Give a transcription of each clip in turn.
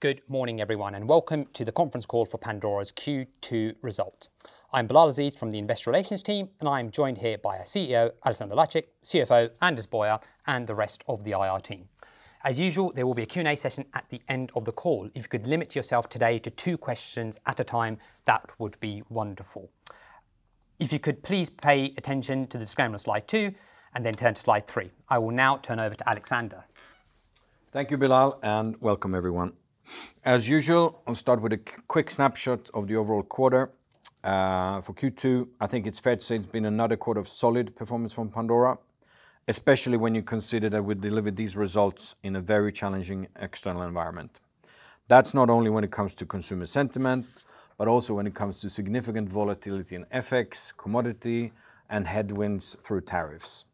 Good morning, everyone, and welcome to the Conference Call for Pandora's Q2 Results. I'm Bilal Aziz from the Investor Relations team, and I'm joined here by our CEO, Alexander Lacik, CFO, Anders Boyer, and the rest of the IR team. As usual, there will be a Q&A session at the end of the call. If you could limit yourself today to two questions at a time, that would be wonderful. If you could please pay attention to the disclaimer on slide two and then turn to slide three. I will now turn over to Alexander. Thank you, Bilal, and welcome, everyone. As usual, I'll start with a quick snapshot of the overall quarter. For Q2, I think it's fair to say it's been another quarter of solid performance from Pandora, especially when you consider that we delivered these results in a very challenging external environment. That's not only when it comes to consumer sentiment, but also when it comes to significant volatility in FX, commodity, and headwinds through tariffs.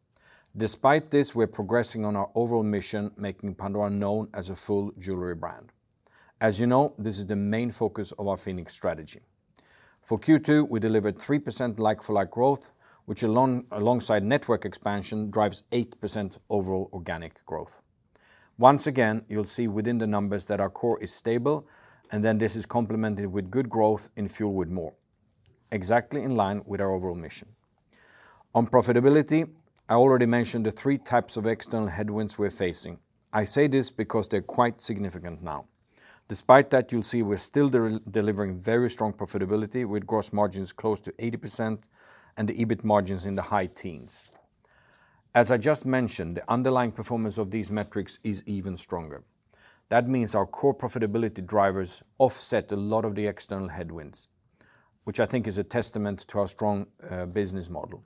Despite this, we're progressing on our overall mission, making Pandora known as a full jewelry brand. As you know, this is the main focus of our Phoenix strategy. For Q2, we delivered 3% like-for-like growth, which alongside network expansion drives 8% overall organic growth. Once again, you'll see within the numbers that our core is stable, and then this is complemented with good growth in fuel with more, exactly in line with our overall mission. On profitability, I already mentioned the three types of external headwinds we're facing. I say this because they're quite significant now. Despite that, you'll see we're still delivering very strong profitability with gross margins close to 80% and the EBIT margins in the high teens. As I just mentioned, the underlying performance of these metrics is even stronger. That means our core profitability drivers offset a lot of the external headwinds, which I think is a testament to our strong business model.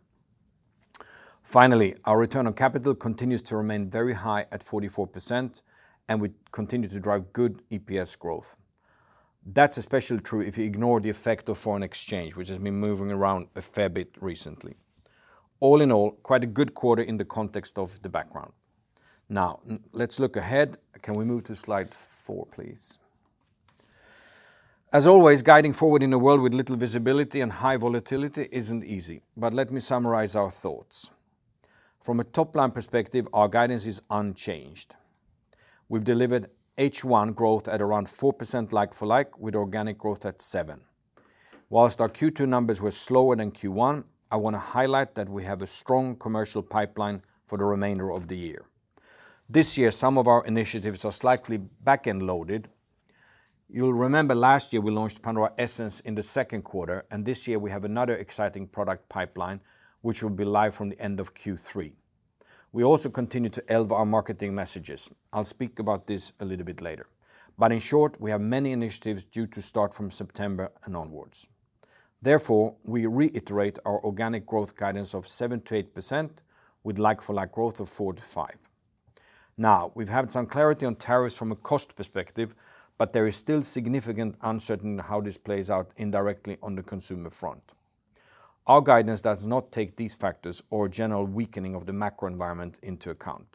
Finally, our return on capital continues to remain very high at 44%, and we continue to drive good EPS growth. That's especially true if you ignore the effect of foreign exchange, which has been moving around a fair bit recently. All in all, quite a good quarter in the context of the background. Now, let's look ahead. Can we move to slide four, please? As always, guiding forward in a world with little visibility and high volatility isn't easy, but let me summarize our thoughts. From a top-line perspective, our guidance is unchanged. We've delivered H1 growth at around 4% like-for-like, with organic growth at 7%. Whilst our Q2 numbers were slower than Q1, I want to highlight that we have a strong commercial pipeline for the remainder of the year. This year, some of our initiatives are slightly back-end loaded. You'll remember last year we launched Pandora Essence in the second quarter, and this year we have another exciting product pipeline, which will be live from the end of Q3. We also continue to elbow our marketing messages. I'll speak about this a little bit later. In short, we have many initiatives due to start from September and onwards. Therefore, we reiterate our organic growth guidance of 7% -8%, with like-for-like growth of 4%-5%. We've had some clarity on tariffs from a cost perspective, but there is still significant uncertainty in how this plays out indirectly on the consumer front. Our guidance does not take these factors or a general weakening of the macro environment into account.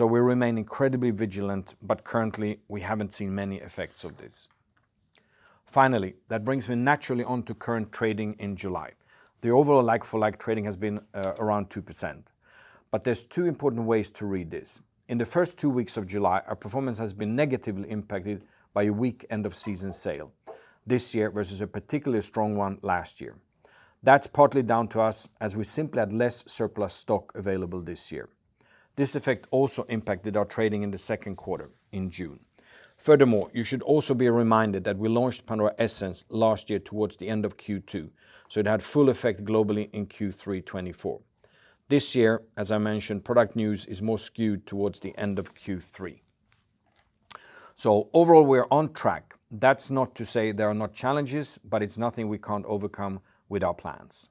We remain incredibly vigilant, but currently, we haven't seen many effects of this. Finally, that brings me naturally onto current trading in July. The overall like-for-like trading has been around 2%. There are two important ways to read this. In the first two weeks of July, our performance has been negatively impacted by a weak end-of-season sale this year versus a particularly strong one last year. That's partly down to us, as we simply had less surplus stock available this year. This effect also impacted our trading in the second quarter in June. You should also be reminded that we launched Pandora Essence last year towards the end of Q2, so it had full effect globally in Q3 2024. This year, as I mentioned, product news is more skewed towards the end of Q3. Overall, we're on track. That's not to say there are no challenges, but it's nothing we can't overcome with our plans.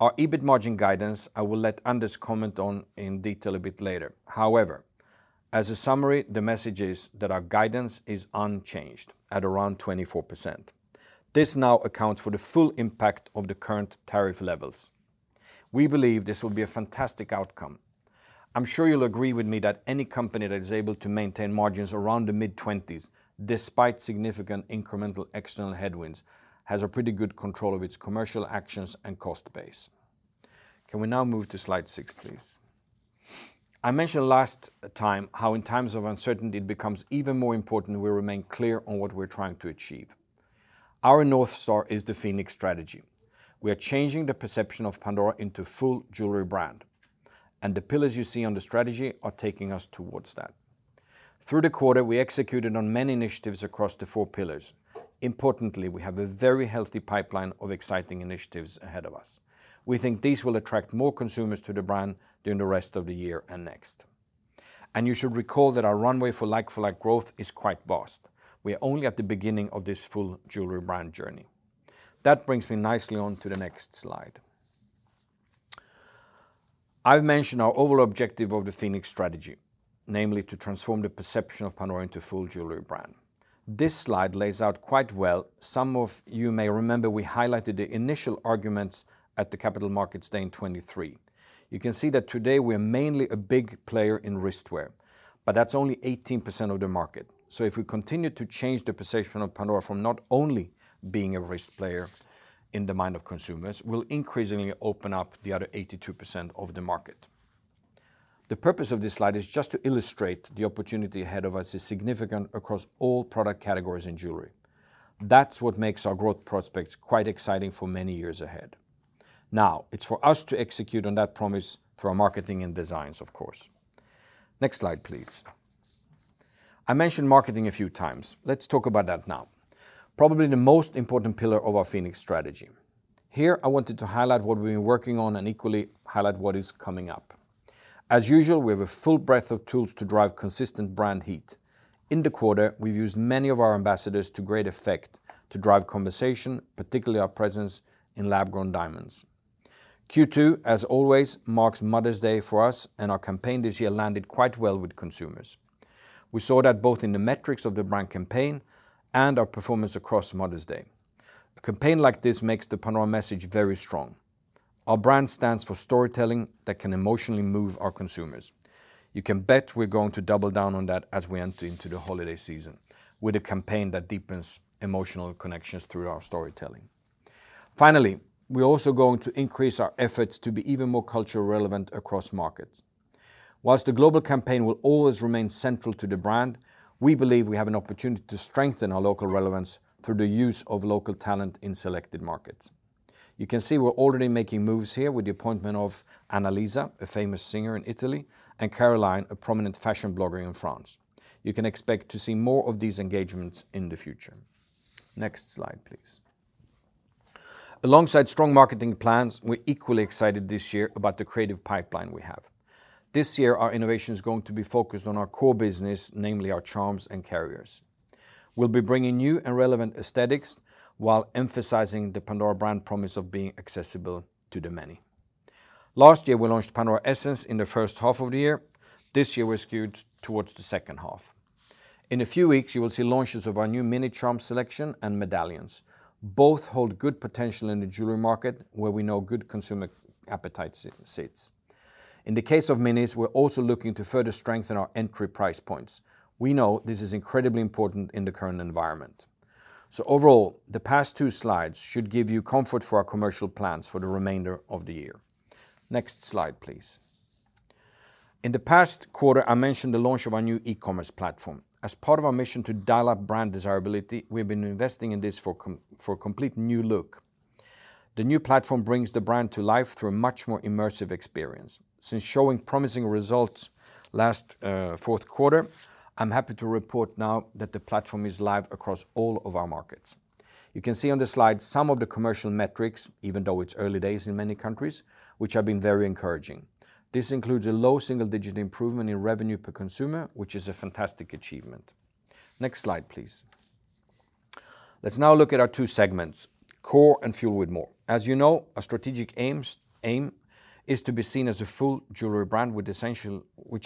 Our EBIT margin guidance, I will let Anders comment on in detail a bit later. However, as a summary, the message is that our guidance is unchanged at around 24%. This now accounts for the full impact of the current tariff levels. We believe this will be a fantastic outcome. I'm sure you'll agree with me that any company that is able to maintain margins around the mid-20s, despite significant incremental external headwinds, has a pretty good control of its commercial actions and cost base. Can we now move to slide six, please? I mentioned last time how in times of uncertainty, it becomes even more important we remain clear on what we're trying to achieve. Our North Star is the Phoenix strategy. We are changing the perception of Pandora into a full jewelry brand. The pillars you see on the strategy are taking us towards that. Through the quarter, we executed on many initiatives across the four pillars. Importantly, we have a very healthy pipeline of exciting initiatives ahead of us. We think these will attract more consumers to the brand during the rest of the year and next. You should recall that our runway for like-for-like growth is quite vast. We're only at the beginning of this full jewelry brand journey. That brings me nicely on to the next slide. I've mentioned our overall objective of the Phoenix strategy, namely to transform the perception of Pandora into a full jewelry brand. This slide lays out quite well. Some of you may remember we highlighted the initial arguments at the Capital Markets Day in 2023. You can see that today we're mainly a big player in wristwear, but that's only 18% of the market. If we continue to change the position of Pandora from not only being a wrist player in the mind of consumers, we'll increasingly open up the other 82% of the market. The purpose of this slide is just to illustrate the opportunity ahead of us is significant across all product categories in jewelry. That's what makes our growth prospects quite exciting for many years ahead. Now, it's for us to execute on that promise through our marketing and designs, of course. Next slide, please. I mentioned marketing a few times. Let's talk about that now. Probably the most important pillar of our Phoenix strategy. Here, I wanted to highlight what we've been working on and equally highlight what is coming up. As usual, we have a full breadth of tools to drive consistent brand heat. In the quarter, we've used many of our ambassadors to great effect to drive conversation, particularly our presence in lab-grown diamonds. Q2, as always, marks Mother's Day for us, and our campaign this year landed quite well with consumers. We saw that both in the metrics of the brand campaign and our performance across Mother's Day. A campaign like this makes the Pandora message very strong. Our brand stands for storytelling that can emotionally move our consumers. You can bet we're going to double down on that as we enter into the holiday season with a campaign that deepens emotional connections through our storytelling. Finally, we're also going to increase our efforts to be even more culturally relevant across markets. Whilst the global campaign will always remain central to the brand, we believe we have an opportunity to strengthen our local relevance through the use of local talent in selected markets. You can see we're already making moves here with the appointment of Annalisa, a famous singer in Italy, and Caroline, a prominent fashion blogger in France. You can expect to see more of these engagements in the future. Next slide, please. Alongside strong marketing plans, we're equally excited this year about the creative pipeline we have. This year, our innovation is going to be focused on our core business, namely our charms and carriers. We'll be bringing new and relevant aesthetics while emphasizing the Pandora brand promise of being accessible to the many. Last year, we launched Pandora Essence in the first half of the year. This year, we're skewed towards the second half. In a few weeks, you will see launches of our new mini charm selection and medallions. Both hold good potential in the jewelry market where we know good consumer appetite sits. In the case of minis, we're also looking to further strengthen our entry price points. We know this is incredibly important in the current environment. Overall, the past two slides should give you comfort for our commercial plans for the remainder of the year. Next slide, please. In the past quarter, I mentioned the launch of our new e-commerce platform. As part of our mission to dial up brand desirability, we've been investing in this for a completely new look. The new platform brings the brand to life through a much more immersive experience. Since showing promising results last fourth quarter, I'm happy to report now that the platform is live across all of our markets. You can see on the slide some of the commercial metrics, even though it's early days in many countries, which have been very encouraging. This includes a low single-digit improvement in revenue per consumer, which is a fantastic achievement. Next slide, please. Let's now look at our two segments, core and fuel with more. As you know, our strategic aim is to be seen as a full jewelry brand, which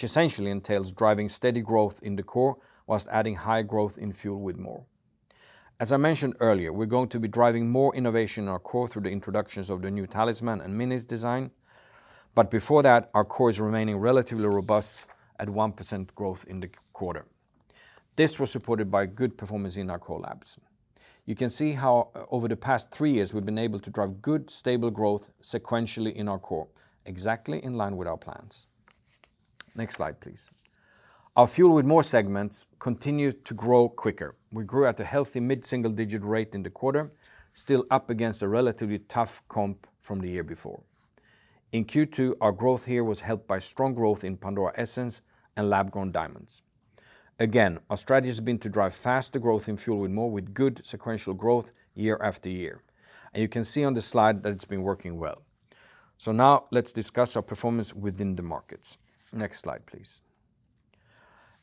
essentially entails driving steady growth in the core whilst adding high growth in fuel with more. As I mentioned earlier, we're going to be driving more innovation in our core through the introductions of the new talisman and minis design. Before that, our core is remaining relatively robust at 1% growth in the quarter. This was supported by good performance in our core labs. You can see how over the past three years, we've been able to drive good, stable growth sequentially in our core, exactly in line with our plans. Next slide, please. Our fuel with more segments continue to grow quicker. We grew at a healthy mid-single-digit rate in the quarter, still up against a relatively tough comp from the year before. In Q2, our growth here was helped by strong growth in Pandora Essence and lab-grown diamonds. Again, our strategy has been to drive faster growth in fuel with more, with good sequential growth year after year. You can see on this slide that it's been working well. Now, let's discuss our performance within the markets. Next slide, please.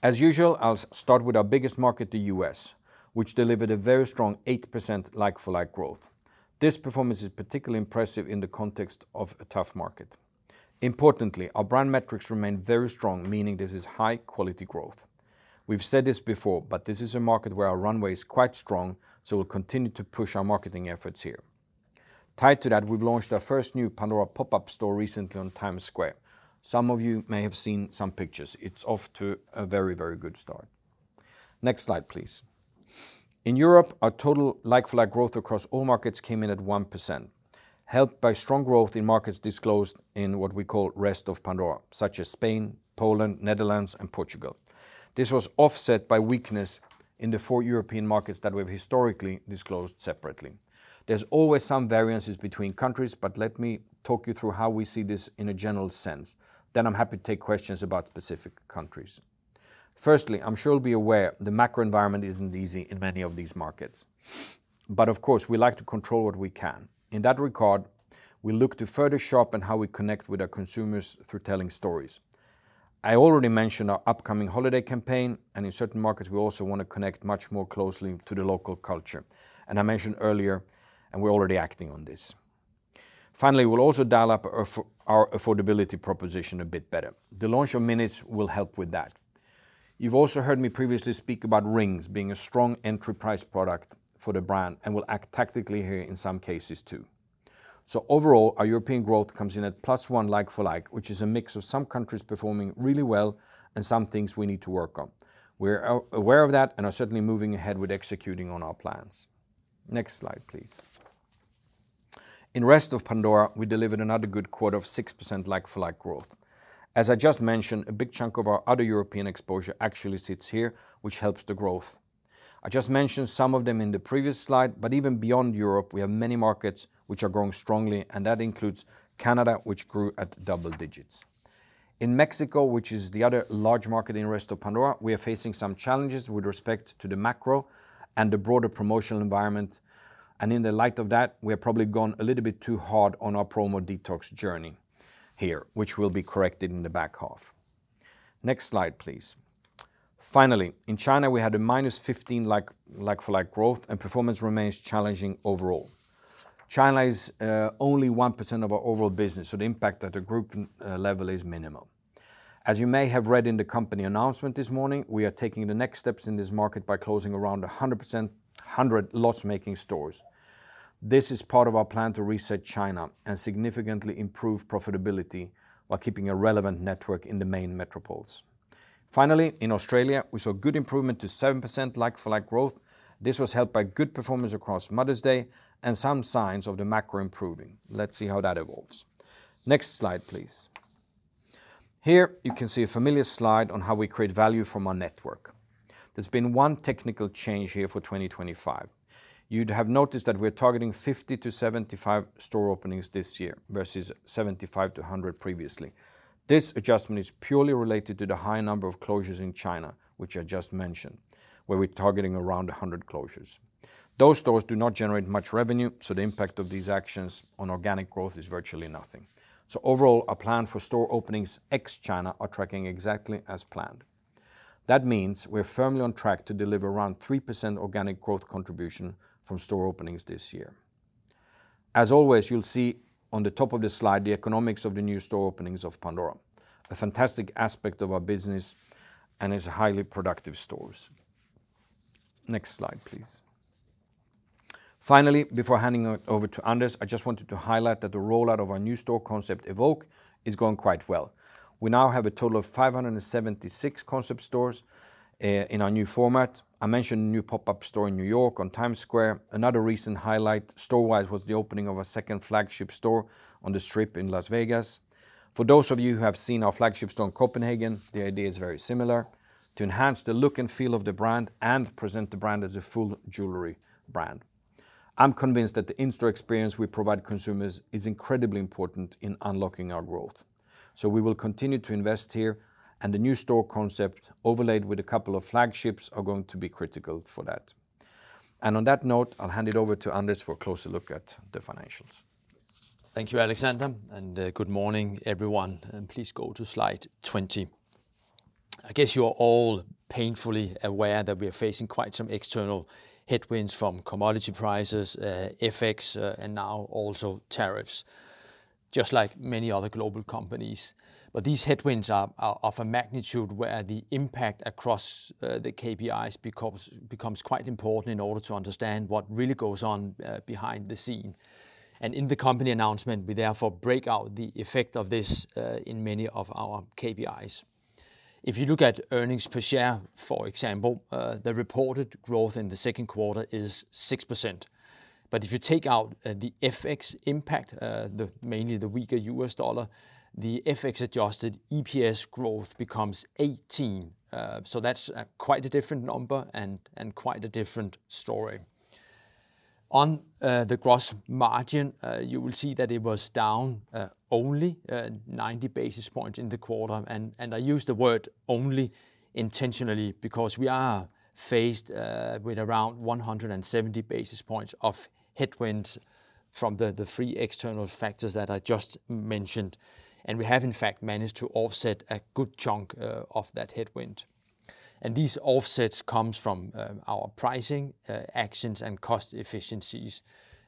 As usual, I'll start with our biggest market, the U.S., which delivered a very strong 8% like-for-like growth. This performance is particularly impressive in the context of a tough market. Importantly, our brand metrics remain very strong, meaning this is high-quality growth. We've said this before, but this is a market where our runway is quite strong, so we'll continue to push our marketing efforts here. Tied to that, we've launched our first new Pandora pop-up store recently on Times Square. Some of you may have seen some pictures. It's off to a very, very good start. Next slide, please. In Europe, our total like-for-like growth across all markets came in at 1%, helped by strong growth in markets disclosed in what we call Rest of Pandora, such as Spain, Poland, Netherlands, and Portugal. This was offset by weakness in the four European markets that we've historically disclosed separately. There's always some variances between countries, but let me talk you through how we see this in a general sense. I'm happy to take questions about specific countries. Firstly, I'm sure you'll be aware the macro environment isn't easy in many of these markets. Of course, we like to control what we can. In that regard, we look to further sharpen how we connect with our consumers through telling stories. I already mentioned our upcoming holiday campaign, and in certain markets, we also want to connect much more closely to the local culture. I mentioned earlier, and we're already acting on this. Finally, we'll also dial up our affordability proposition a bit better. The launch of minis will help with that. You've also heard me previously speak about rings being a strong entry price product for the brand and will act tactically here in some cases too. Overall, our European growth comes in at plus 1% like-for-like, which is a mix of some countries performing really well and some things we need to work on. We're aware of that and are certainly moving ahead with executing on our plans. Next slide, please. In Rest of Pandora, we delivered another good quarter of 6% like-for-like growth. As I just mentioned, a big chunk of our other European exposure actually sits here, which helps the growth. I just mentioned some of them in the previous slide, but even beyond Europe, we have many markets which are growing strongly, and that includes Canada, which grew at double digits. In Mexico, which is the other large market in Rest of Pandora, we are facing some challenges with respect to the macro and the broader promotional environment. In the light of that, we have probably gone a little bit too hard on our promo detox journey here, which will be corrected in the back half. Next slide, please. Finally, in China, we had a -15% like-for-like growth, and performance remains challenging overall. China is only 1% of our overall business, so the impact at a group level is minimal. As you may have read in the company announcement this morning, we are taking the next steps in this market by closing around 100 loss-making stores. This is part of our plan to reset China and significantly improve profitability while keeping a relevant network in the main metropoles. Finally, in Australia, we saw good improvement to 7% like-for-like growth. This was helped by good performance across Mother's Day and some signs of the macro improving. Let's see how that evolves. Next slide, please. Here, you can see a familiar slide on how we create value from our network. There's been one technical change here for 2025. You'd have noticed that we're targeting 50-75 store openings this year versus 75-100 previously. This adjustment is purely related to the high number of closures in China, which I just mentioned, where we're targeting around 100 closures. Those stores do not generate much revenue, so the impact of these actions on organic growth is virtually nothing. Overall, our plans for store openings ex-China are tracking exactly as planned. That means we're firmly on track to deliver around 3% organic growth contribution from store openings this year. As always, you'll see on the top of the slide the economics of the new store openings of Pandora, a fantastic aspect of our business and is highly productive stores. Next slide, please. Finally, before handing it over to Anders, I just wanted to highlight that the rollout of our new store concept Evoke 2.0 is going quite well. We now have a total of 576 concept stores in our new format. I mentioned the new pop-up store in New York on Times Square. Another recent highlight store-wise was the opening of a second flagship store on the Strip in Las Vegas. For those of you who have seen our flagship store in Copenhagen, the idea is very similar: to enhance the look and feel of the brand and present the brand as a full jewelry brand. I'm convinced that the in-store experience we provide consumers is incredibly important in unlocking our growth. We will continue to invest here, and the new store concept overlaid with a couple of flagships are going to be critical for that. On that note, I'll hand it over to Anders for a closer look at the financials. Thank you, Alexander, and good morning, everyone. Please go to slide 20. I guess you're all painfully aware that we are facing quite some external headwinds from commodity prices, FX, and now also tariffs, just like many other global companies. These headwinds are of a magnitude where the impact across the KPIs becomes quite important in order to understand what really goes on behind the scene. In the company announcement, we therefore break out the effect of this in many of our KPIs. If you look at earnings per share, for example, the reported growth in the second quarter is 6%. If you take out the FX impact, mainly the weaker U.S. dollar, the FX-adjusted EPS growth becomes 18%. That's quite a different number and quite a different story. On the gross margin, you will see that it was down only 90 basis points in the quarter. I use the word only intentionally because we are faced with around 170 basis points of headwind from the three external factors that I just mentioned. We have, in fact, managed to offset a good chunk of that headwind. These offsets come from our pricing actions and cost efficiencies.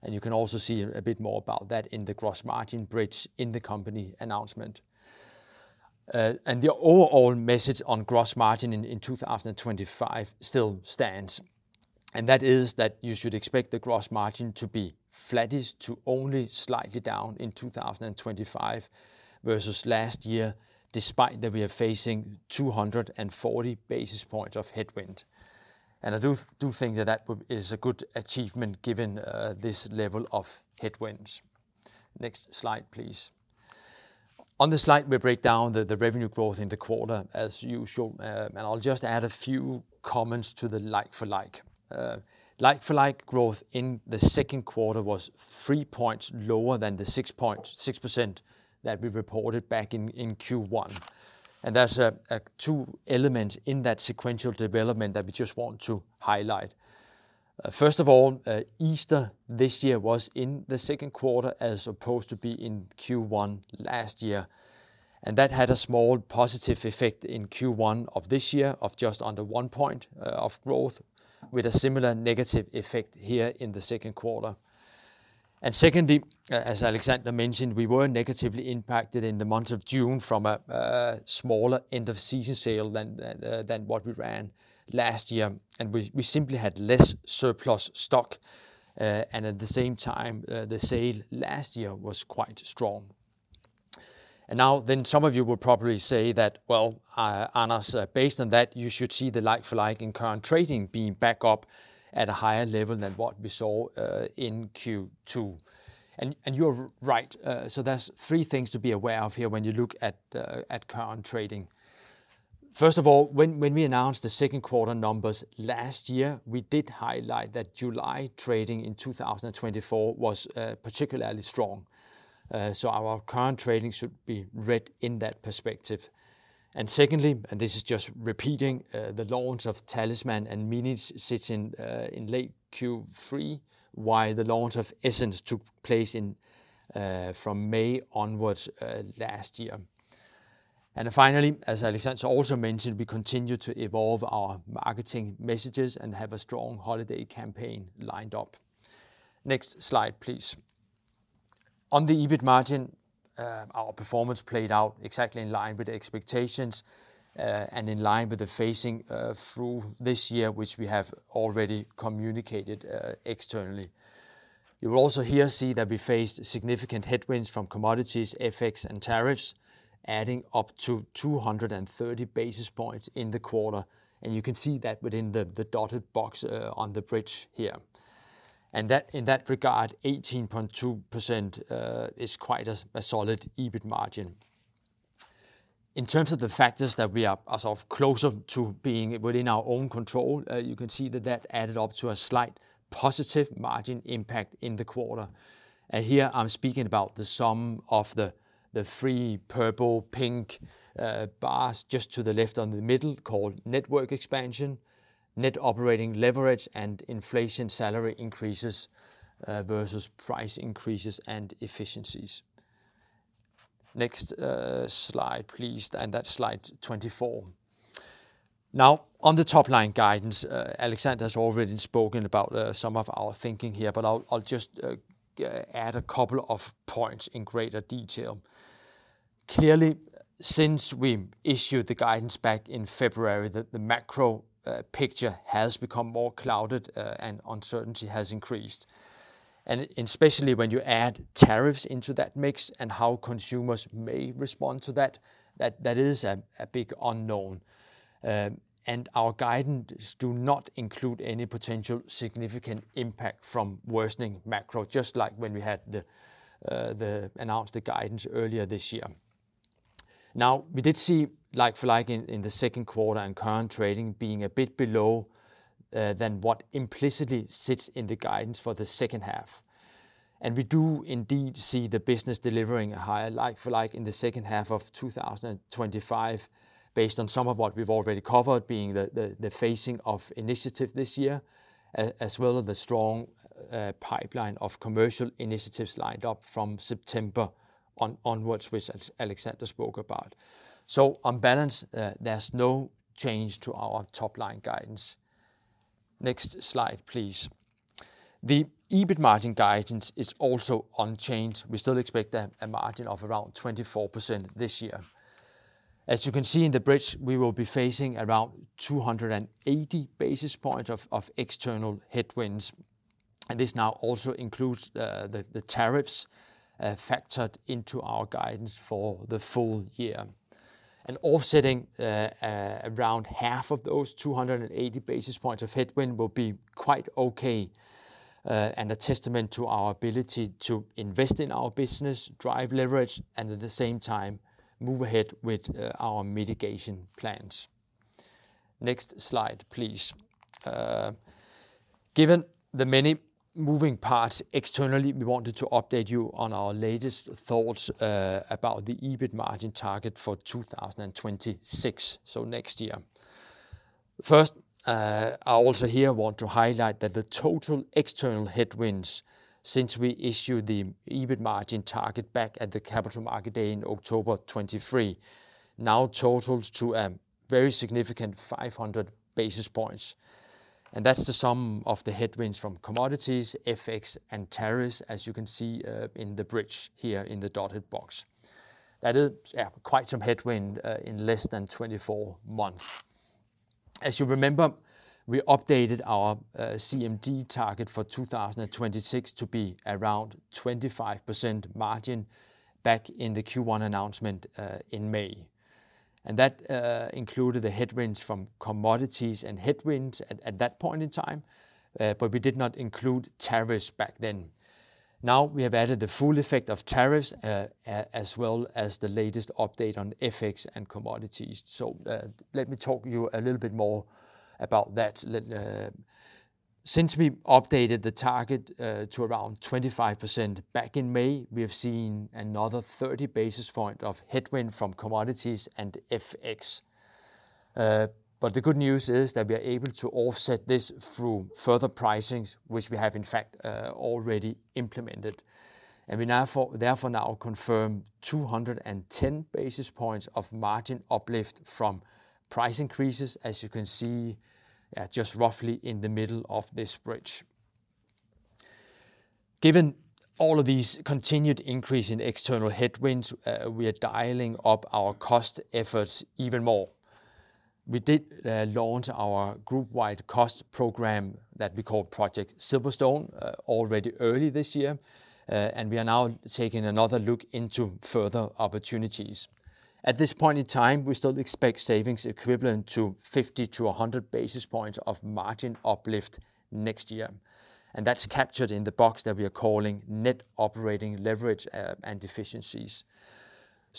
You can also see a bit more about that in the gross margin bridge in the company announcement. The overall message on gross margin in 2025 still stands. That is that you should expect the gross margin to be flattish to only slightly down in 2025 versus last year, despite that we are facing 240 basis points of headwind. I do think that that is a good achievement given this level of headwinds. Next slide, please. On the slide, we break down the revenue growth in the quarter, as usual. I'll just add a few comments to the like-for-like. Like-for-like growth in the second quarter was three points lower than the 6.6% that we reported back in Q1. There are two elements in that sequential development that we just want to highlight. First of all, Easter this year was in the second quarter as opposed to being in Q1 last year. That had a small positive effect in Q1 of this year of just under one point of growth, with a similar negative effect here in the second quarter. Secondly, as Alexander mentioned, we were negatively impacted in the month of June from a smaller end-of-season sale than what we ran last year. We simply had less surplus stock. At the same time, the sale last year was quite strong. Some of you will probably say that, Anders, based on that, you should see the like-for-like in current trading being back up at a higher level than what we saw in Q2. You're right. There are three things to be aware of here when you look at current trading. First of all, when we announced the second quarter numbers last year, we did highlight that July trading in 2024 was particularly strong. Our current trading should be read in that perspective. Secondly, and this is just repeating, the launch of the talisman range and mini charm selection sits in late Q3, while the launch of Pandora Essence took place from May onwards last year. Finally, as Alexander also mentioned, we continue to evolve our marketing messages and have a strong holiday campaign lined up. Next slide, please. On the EBIT margin, our performance played out exactly in line with the expectations and in line with the phasing through this year, which we have already communicated externally. You will also see that we faced significant headwinds from commodities, FX volatility, and tariffs, adding up to 230 basis points in the quarter. You can see that within the dotted box on the bridge here. In that regard, 18.2% is quite a solid EBIT margin. In terms of the factors that are sort of closer to being within our own control, you can see that added up to a slight positive margin impact in the quarter. Here I'm speaking about the sum of the three purple-pink bars just to the left in the middle called network expansion, net operating leverage, and inflation salary increases versus price increases and efficiencies. Next slide, please, and that's slide 24. On the top-line guidance, Alexander has already spoken about some of our thinking here, but I'll just add a couple of points in greater detail. Clearly, since we issued the guidance back in February, the macro picture has become more clouded and uncertainty has increased. Especially when you add tariffs into that mix and how consumers may respond to that, that is a big unknown. Our guidance does not include any potential significant impact from worsening macro, just like when we had the announced guidance earlier this year. We did see like-for-like in the second quarter and current trading being a bit below what implicitly sits in the guidance for the second half. We do indeed see the business delivering a higher like-for-like in the second half of 2025, based on some of what we've already covered, being the phasing of initiatives this year, as well as the strong pipeline of commercial initiatives lined up from September onwards, which Alexander spoke about. On balance, there's no change to our top-line guidance. Next slide, please. The EBIT margin guidance is also unchanged. We still expect a margin of around 24% this year. As you can see in the bridge, we will be facing around 280 basis points of external headwinds. This now also includes the tariffs factored into our guidance for the full year. Offsetting around half of those 280 basis points of headwind will be quite okay and a testament to our ability to invest in our business, drive leverage, and at the same time, move ahead with our mitigation plans. Next slide, please. Given the many moving parts externally, we wanted to update you on our latest thoughts about the EBIT margin target for 2026, next year. First, I also here want to highlight that the total external headwinds since we issued the EBIT margin target back at the Capital Market Day in October 2023 now total to a very significant 500 basis points. That's the sum of the headwinds from commodities, FX, and tariffs, as you can see in the bridge here in the dotted box. That is quite some headwind in less than 24 months. As you remember, we updated our CMD target for 2026 to be around 25% margin back in the Q1 announcement in May. That included the headwinds from commodities and headwinds at that point in time, but we did not include tariffs back then. Now, we have added the full effect of tariffs, as well as the latest update on FX and commodities. Let me talk to you a little bit more about that. Since we updated the target to around 25% back in May, we have seen another 30 basis points of headwind from commodities and FX. The good news is that we are able to offset this through further pricings, which we have, in fact, already implemented. We therefore now confirm 210 basis points of margin uplift from price increases, as you can see, just roughly in the middle of this bridge. Given all of these continued increases in external headwinds, we are dialing up our cost efforts even more. We did launch our group-wide cost program that we call Project Silverstone already early this year, and we are now taking another look into further opportunities. At this point in time, we still expect savings equivalent to 50 to 100 basis points of margin uplift next year. That's captured in the box that we are calling net operating leverage and efficiencies.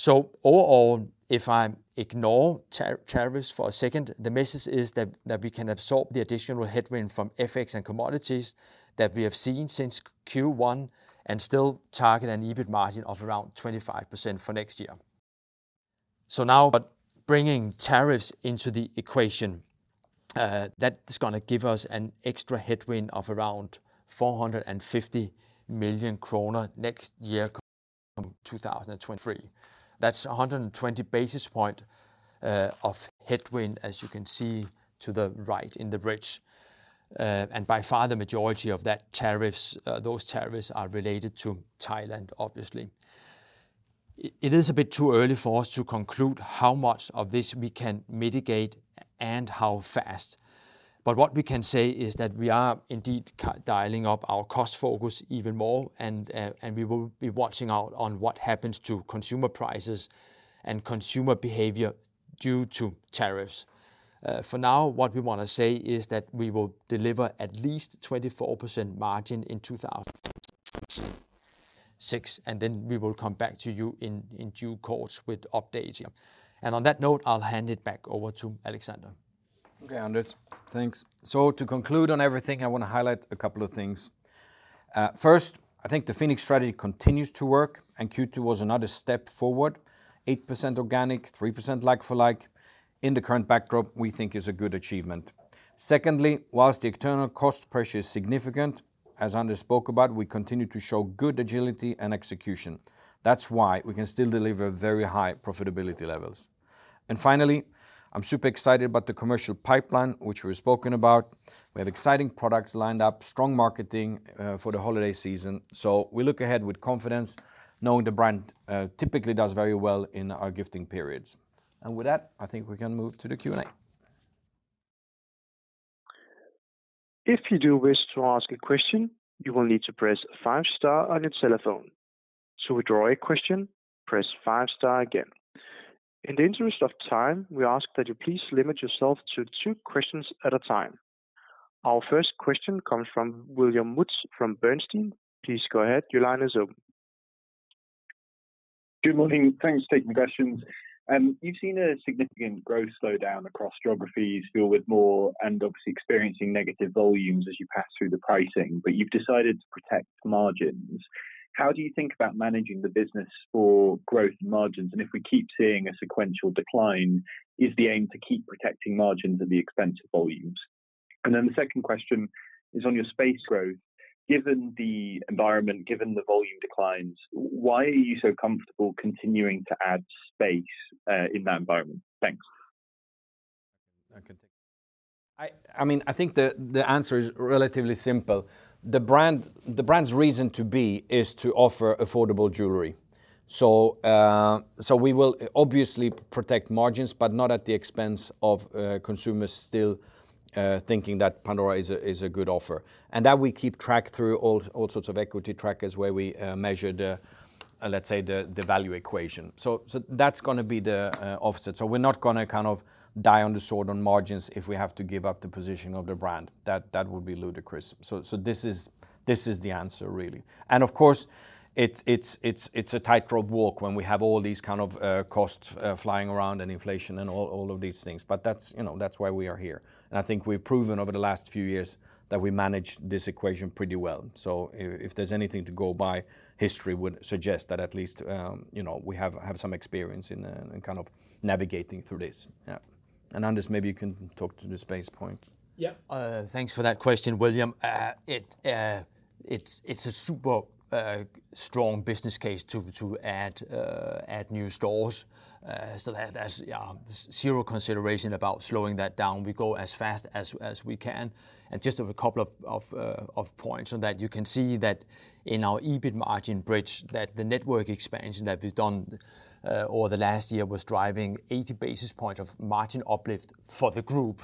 Overall, if I ignore tariffs for a second, the message is that we can absorb the additional headwind from FX and commodities that we have seen since Q1 and still target an EBIT margin of around 25% for next year. Now, bringing tariffs into the equation, that's going to give us an extra headwind of around 450 million kroner next year from 2023. That's 120 basis points of headwind, as you can see to the right in the bridge. By far, the majority of those tariffs are related to Thailand, obviously. It is a bit too early for us to conclude how much of this we can mitigate and how fast. What we can say is that we are indeed dialing up our cost focus even more, and we will be watching out on what happens to consumer prices and consumer behavior due to tariffs. For now, what we want to say is that we will deliver at least 24% margin in 2026, and we will come back to you in due course with updates. On that note, I'll hand it back over to Alexander. Okay, Anders, thanks. To conclude on everything, I want to highlight a couple of things. First, I think the Phoenix strategy continues to work, and Q2 was another step forward. 8% organic, 3% like-for-like in the current backdrop, we think is a good achievement. Secondly, whilst the external cost pressure is significant, as Anders spoke about, we continue to show good agility and execution. That's why we can still deliver very high profitability levels. Finally, I'm super excited about the commercial pipeline, which we've spoken about. We have exciting products lined up, strong marketing for the holiday season. We look ahead with confidence, knowing the brand typically does very well in our gifting periods. With that, I think we can move to the Q&A. If you do wish to ask a question, you will need to press five star on your telephone. To withdraw a question, press five star again. In the interest of time, we ask that you please limit yourself to two questions at a time. Our first question comes from William Woods from Bernstein. Please go ahead, you're live on Zoom. Good morning. Thanks for taking questions. You've seen a significant growth slowdown across geographies, fueled with more, and obviously experiencing negative volumes as you pass through the pricing. You've decided to protect margins. How do you think about managing the business for growth in margins? If we keep seeing a sequential decline, is the aim to keep protecting margins at the expense of volumes? The second question is on your space growth. Given the environment, given the volume declines, why are you so comfortable continuing to add space in that environment? Thanks. I mean, I think the answer is relatively simple. The brand's reason to be is to offer affordable jewelry. We will obviously protect margins, but not at the expense of consumers still thinking that Pandora is a good offer. We keep track through all sorts of equity trackers where we measure the, let's say, the value equation. That's going to be the offset. We're not going to kind of die on the sword on margins if we have to give up the position of the brand. That would be ludicrous. This is the answer, really. Of course, it's a tightrope walk when we have all these kind of costs flying around and inflation and all of these things. That's why we are here. I think we've proven over the last few years that we manage this equation pretty well. If there's anything to go by, history would suggest that at least we have some experience in kind of navigating through this. Yeah. Anders, maybe you can talk to the space point. Yeah, thanks for that question, William. It's a super strong business case to add new stores. There's zero consideration about slowing that down. We go as fast as we can. Just a couple of points on that. You can see that in our EBIT margin bridge, the network expansion that we've done over the last year was driving 80 basis points of margin uplift for the group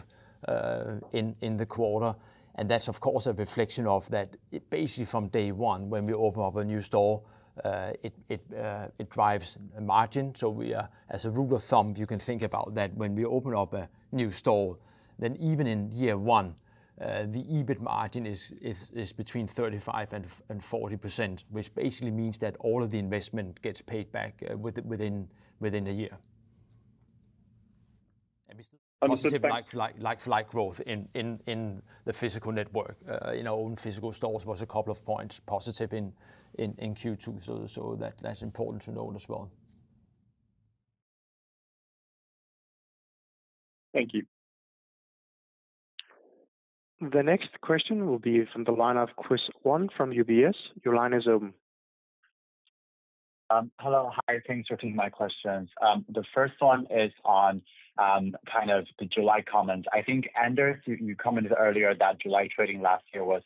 in the quarter. That's, of course, a reflection of that basically from day one, when we open up a new store, it drives a margin. As a rule of thumb, you can think about that when we open up a new store, even in year one, the EBIT margin is between 35% and 40%, which basically means that all of the investment gets paid back within a year. Positive like-for-like growth in the physical network. In our own physical stores, it was a couple of points positive in Q2. That's important to note as well. Thank you. The next question will be from the line of Chris Huang from UBS. You're live on Zoom. Hello, hi. Thanks for taking my questions. The first one is on kind of the July comments. I think, Anders, you commented earlier that July trading last year was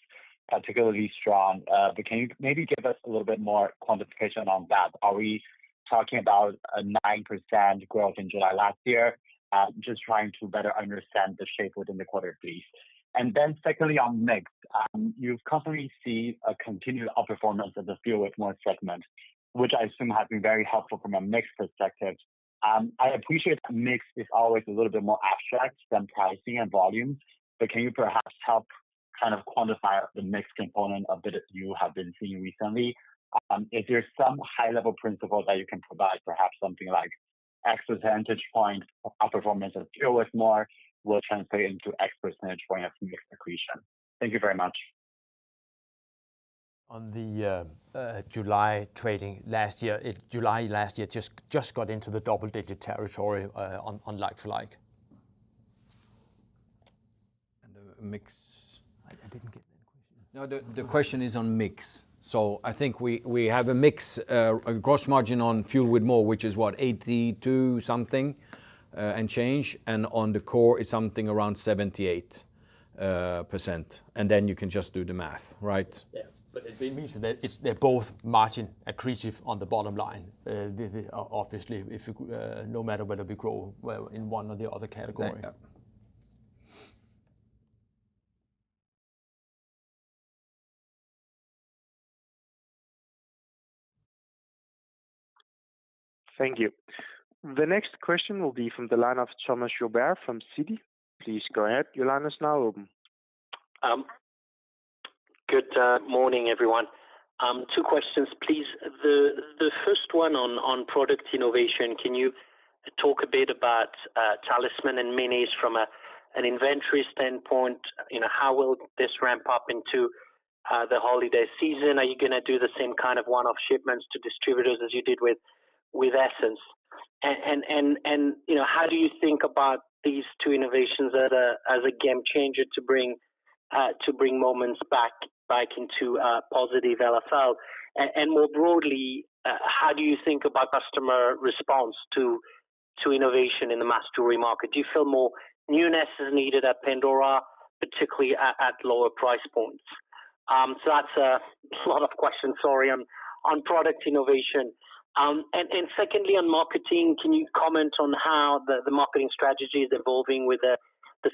particularly strong. Can you maybe give us a little bit more quantification on that? Are we talking about a 9% growth in July last year? Just trying to better understand the shape within the quarter, please. Secondly, on mix, you've constantly seen a continued outperformance of the fuel with more segment, which I assume has been very helpful from a mix perspective. I appreciate a mix is always a little bit more abstract than pricing and volumes. Can you perhaps help kind of quantify the mix component a bit that you have been seeing recently? Is there some high-level principle that you can provide, perhaps something like X percentage point of outperformance of fuel with more will translate into X percentage point of mix secretion? Thank you very much. On the July trading last year, July last year just got into the double-digit territory on like-for-like. The mix, I didn't get that question. No, the question is on mix. I think we have a mix of gross margin on fuel with more, which is what, 82% and change. On the core, it's something around 78%. You can just do the math, right? Yeah, it means that they're both margin accretive on the bottom line. Obviously, no matter whether we grow in one or the other category. Thank you. The next question will be from the line of Thomas Chauvet from Citi. Please go ahead, you're live on Zoom. Good morning, everyone. Two questions, please. The first one on product innovation. Can you talk a bit about talisman and minis from an inventory standpoint? You know, how will this ramp up into the holiday season? Are you going to do the same kind of one-off shipments to distributors as you did with Essence? How do you think about these two innovations as a game changer to bring Moments back into positive LFL? More broadly, how do you think about customer response to innovation in the mass jewelry market? Do you feel more newness is needed at Pandora, particularly at lower price points? That's a lot of questions, sorry, on product innovation. Secondly, on marketing, can you comment on how the marketing strategy is evolving with the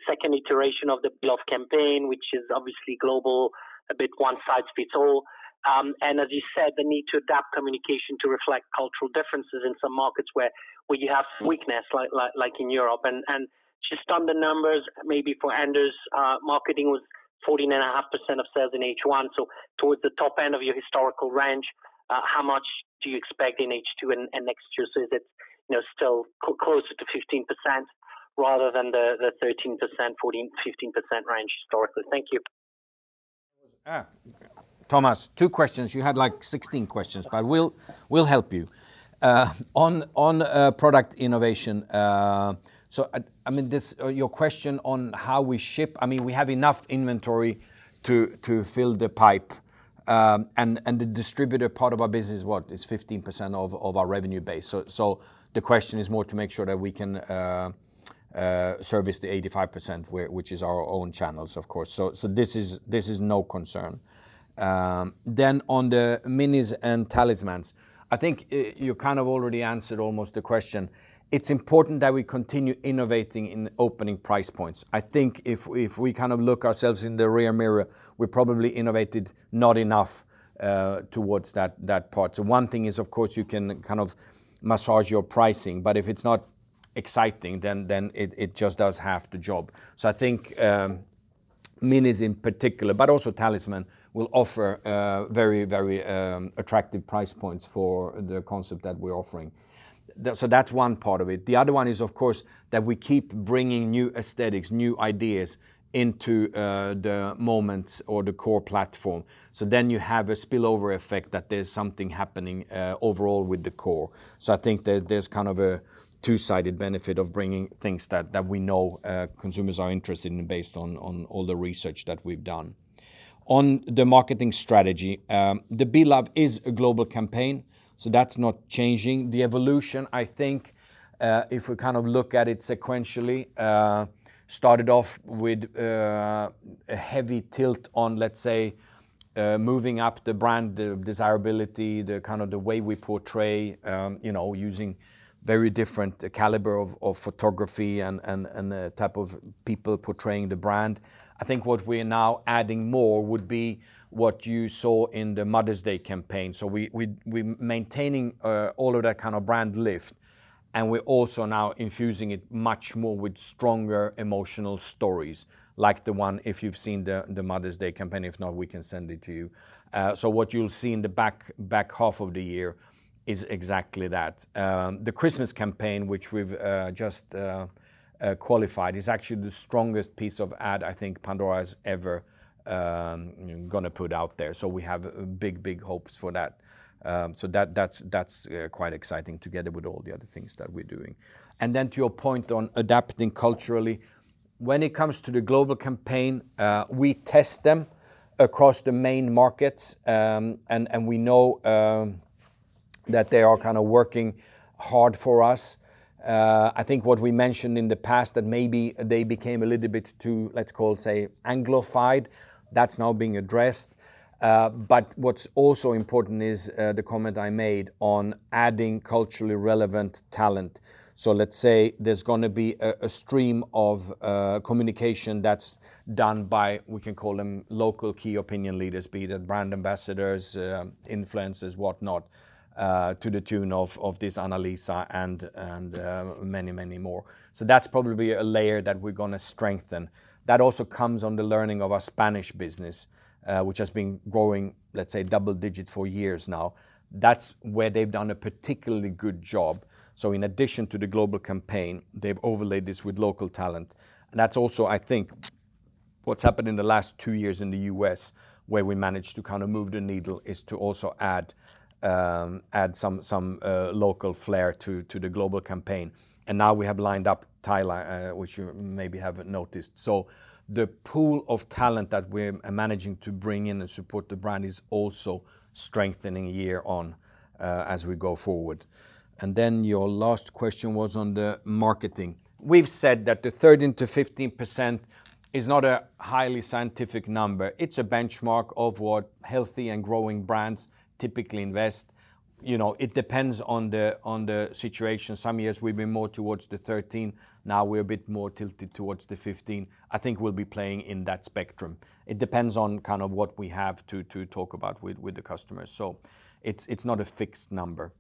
second iteration of the Pandora campaign, which is obviously global, a bit one size fits all? As you said, the need to adapt communication to reflect cultural differences in some markets where you have weakness, like in Europe. Just on the numbers, maybe for Anders, marketing was 14.5% of sales in H1. Towards the top end of your historical range, how much do you expect in H2 and next year? Is it still closer to 15% rather than the 13%, 14%, 15% range historically? Thank you. Thomas, two questions. You had like 16 questions, but we'll help you. On product innovation, your question on how we ship, we have enough inventory to fill the pipe. The distributor part of our business is what? It's 15% of our revenue base. The question is more to make sure that we can service the 85%, which is our own channels, of course. This is no concern. On the Minis and Talismans, I think you kind of already answered almost the question. It's important that we continue innovating in opening price points. If we kind of look ourselves in the rear mirror, we probably innovated not enough towards that part. One thing is, of course, you can kind of massage your pricing, but if it's not exciting, then it just does half the job. Minis in particular, but also Talisman, will offer very, very attractive price points for the concept that we're offering. That's one part of it. The other one is, of course, that we keep bringing new aesthetics, new ideas into the moments or the core platform. You have a spillover effect that there's something happening overall with the core. There's kind of a two-sided benefit of bringing things that we know consumers are interested in based on all the research that we've done. On the marketing strategy, the B-Lab is a global campaign. That's not changing. The evolution, if we kind of look at it sequentially, started off with a heavy tilt on, let's say, moving up the brand, the desirability, the kind of the way we portray, you know, using very different calibre of photography and the type of people portraying the brand. What we're now adding more would be what you saw in the Mother's Day campaign. We're maintaining all of that kind of brand lift. We're also now infusing it much more with stronger emotional stories, like the one, if you've seen the Mother's Day campaign. If not, we can send it to you. What you'll see in the back half of the year is exactly that. The Christmas campaign, which we've just qualified, is actually the strongest piece of ad I think Pandora is ever going to put out there. We have big, big hopes for that. That's quite exciting together with all the other things that we're doing. To your point on adapting culturally, when it comes to the global campaign, we test them across the main markets. We know that they are kind of working hard for us. I think what we mentioned in the past is that maybe they became a little bit too, let's call it, anglophile. That's now being addressed. What's also important is the comment I made on adding culturally relevant talent. Let's say there's going to be a stream of communication that's done by, we can call them local key opinion leaders, be it brand ambassadors, influencers, whatnot, to the tune of this Annalisa and many, many more. That's probably a layer that we're going to strengthen. That also comes on the learning of our Spanish business, which has been growing, let's say, double digits for years now. That's where they've done a particularly good job. In addition to the global campaign, they've overlaid this with local talent. That's also, I think, what's happened in the last two years in the U.S. where we managed to kind of move the needle, to also add some local flair to the global campaign. Now we have lined up Thailand, which you maybe haven't noticed. The pool of talent that we're managing to bring in and support the brand is also strengthening year on as we go forward. Your last question was on the marketing. We've said that the 13% to 15% is not a highly scientific number. It's a benchmark of what healthy and growing brands typically invest. It depends on the situation. Some years we've been more towards the 13%. Now we're a bit more tilted towards the 15%. I think we'll be playing in that spectrum. It depends on what we have to talk about with the customers. It's not a fixed number.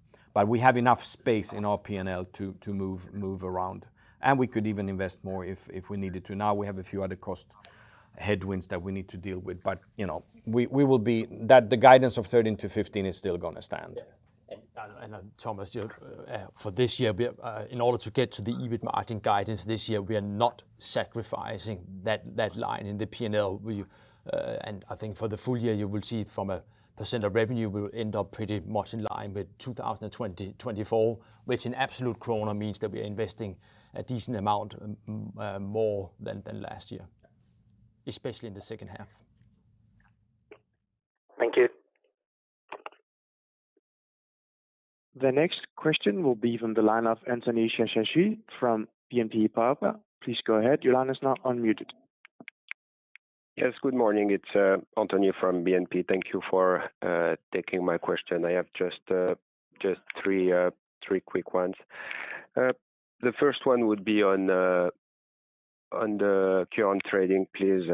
We have enough space in our P&L to move around, and we could even invest more if we needed to. We have a few other cost headwinds that we need to deal with. The guidance of 13%-15% is still going to stand. Thomas, for this year, in order to get to the EBIT margin guidance this year, we are not sacrificing that line in the P&L. I think for the full year, you will see it from a % of revenue, we will end up pretty much in line with 2024, which in absolute krona means that we are investing a decent amount more than last year, especially in the second half. Thank you. The next question will be from the line of Anthony Charchafji from BNP Paribas. Please go ahead. Your line is now unmuted. Yes, good morning. It's Anthony from BNP. Thank you for taking my question. I have just three quick ones. The first one would be on the current trading, please.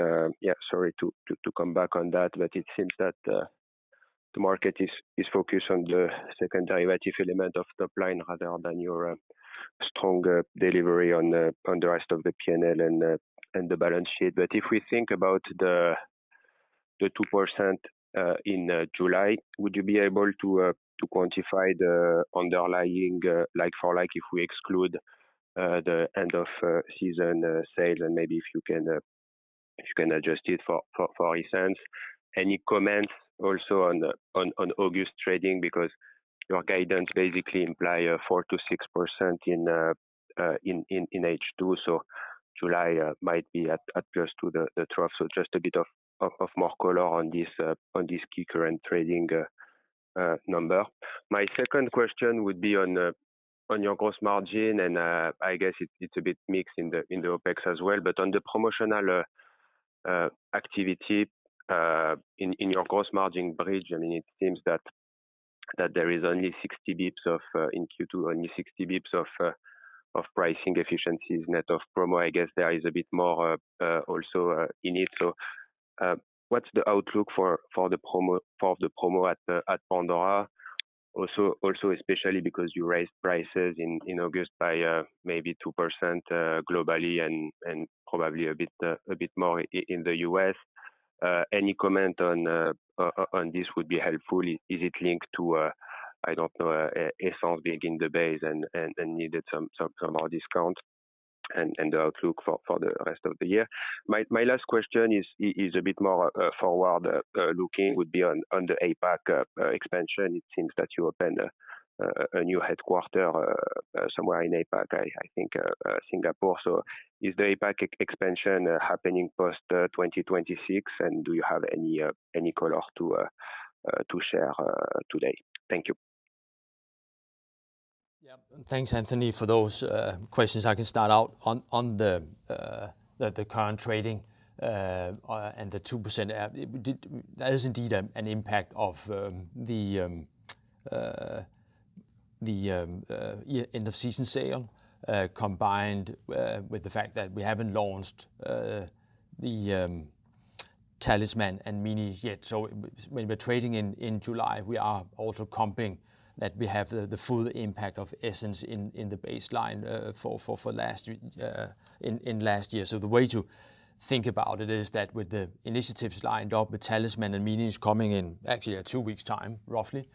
Sorry to come back on that, but it seems that the market is focused on the second derivative element of the top line rather than your strong delivery on the rest of the P&L and the balance sheet. If we think about the 2% in July, would you be able to quantify the underlying like-for-like if we exclude the end-of-season sales and maybe if you can adjust it for recents? Any comments also on August trading because your guidance basically implies 4%-6% in H2? July might be at close to the 12th. Just a bit more color on this key current trading number. My second question would be on your gross margin, and I guess it's a bit mixed in the OpEx as well. On the promotional activity in your gross margin bridge, it seems that there are only 60 bps in Q2, only 60 bps of pricing efficiencies net of promo. I guess there is a bit more also in it. What's the outlook for the promo at Pandora A/S? Especially because you raised prices in August by maybe 2% globally and probably a bit more in the U.S.. Any comment on this would be helpful. Is it linked to, I don't know, Pandora Essence being in the base and needed some more discount and the outlook for the rest of the year? My last question is a bit more forward-looking. It would be on the APAC expansion. It seems that you open a new headquarter somewhere in APAC, I think Singapore. Is the APAC expansion happening post-2026? Do you have any color to share today? Thank you. Yeah, thanks, Anthony, for those questions. I can start out on the current trading and the 2%. That is indeed an impact of the end-of-season sale combined with the fact that we haven't launched the talisman and minis yet. When we're trading in July, we are also comping that we have the full impact of Essence in the baseline for last year. The way to think about it is that with the initiatives lined up, the talisman and minis coming in, actually at two weeks' time, roughly,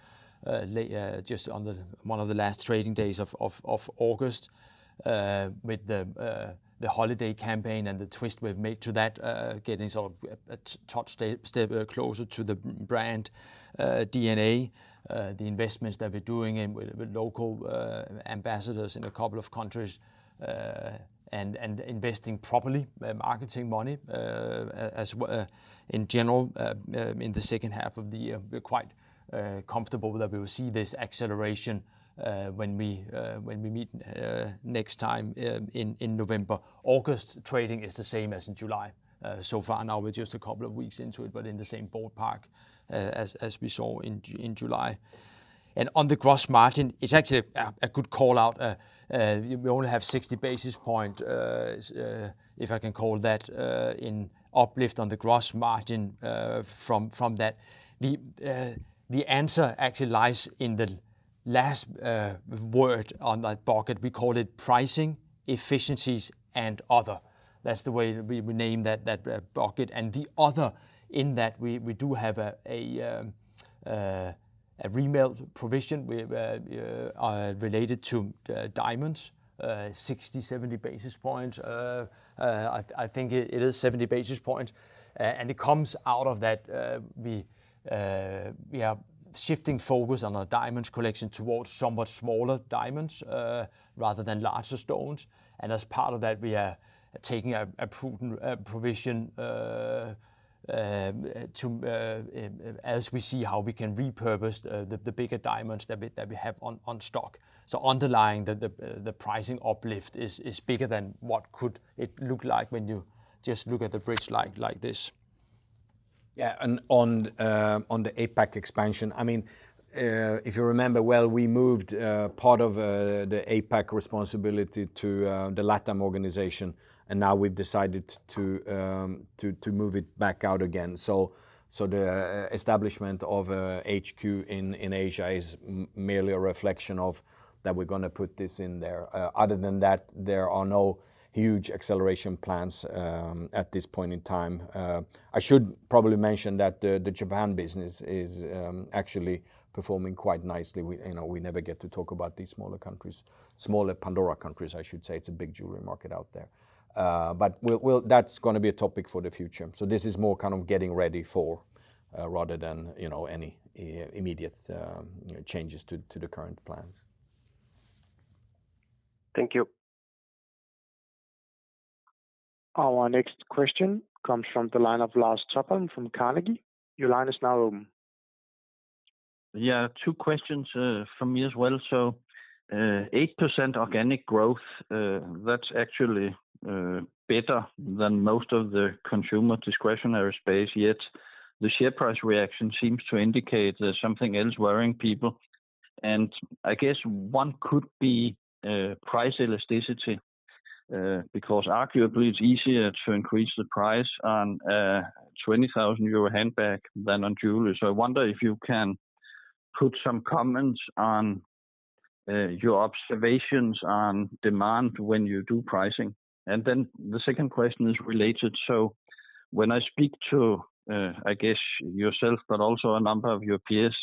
just on one of the last trading days of August, with the holiday campaign and the twist we've made to that, getting sort of a touch step closer to the brand DNA, the investments that we're doing with local ambassadors in a couple of countries, and investing properly, marketing money as well in general. In the second half of the year, we're quite comfortable that we will see this acceleration when we meet next time in November. August trading is the same as in July. So far now, we're just a couple of weeks into it, but in the same ballpark as we saw in July. On the gross margin, it's actually a good call out. We only have 60 basis points, if I can call that, in uplift on the gross margin from that. The answer actually lies in the last word on that bucket. We call it pricing, efficiencies, and other. That's the way we name that bucket. The other in that, we do have a remote provision related to diamonds, 60, 70 basis points. I think it is 70 basis points. It comes out of that. We are shifting focus on our diamonds collection towards somewhat smaller diamonds rather than larger stones. As part of that, we are taking a prudent provision as we see how we can repurpose the bigger diamonds that we have on stock. Underlying the pricing uplift is bigger than what could it look like when you just look at the bridge like this. Yeah, and on the APAC expansion, if you remember well, we moved part of the APAC responsibility to the LATAM organization. Now we've decided to move it back out again. The establishment of HQ in Asia is merely a reflection of that; we're going to put this in there. Other than that, there are no huge acceleration plans at this point in time. I should probably mention that the Japan business is actually performing quite nicely. We never get to talk about these smaller countries, smaller Pandora countries, I should say. It's a big jewelry market out there. That's going to be a topic for the future. This is more kind of getting ready for rather than any immediate changes to the current plans. Thank you. Our next question comes from the line of Lars Topholm from Carnegie. Your line is now open. Yeah, two questions from me as well. 8% organic growth, that's actually better than most of the consumer discretionary space. Yet the share price reaction seems to indicate there's something else worrying people. I guess one could be price elasticity because arguably it's easier to increase the price on a 20,000 euro handbag than on jewelry. I wonder if you can put some comments on your observations on demand when you do pricing. The second question is related. When I speak to, I guess, yourself, but also a number of your peers,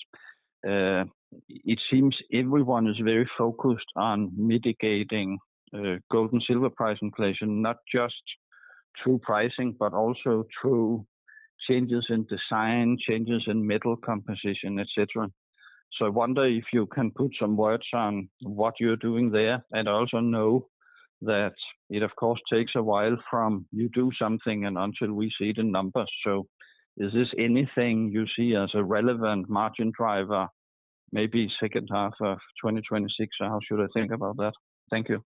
it seems everyone is very focused on mitigating gold and silver price inflation, not just through pricing, but also through changes in design, changes in metal composition, et cetera. I wonder if you can put some words on what you're doing there. I also know that it, of course, takes a while from you do something and until we see the numbers. Is this anything you see as a relevant margin driver, maybe second half of 2026? How should I think about that? Thank you.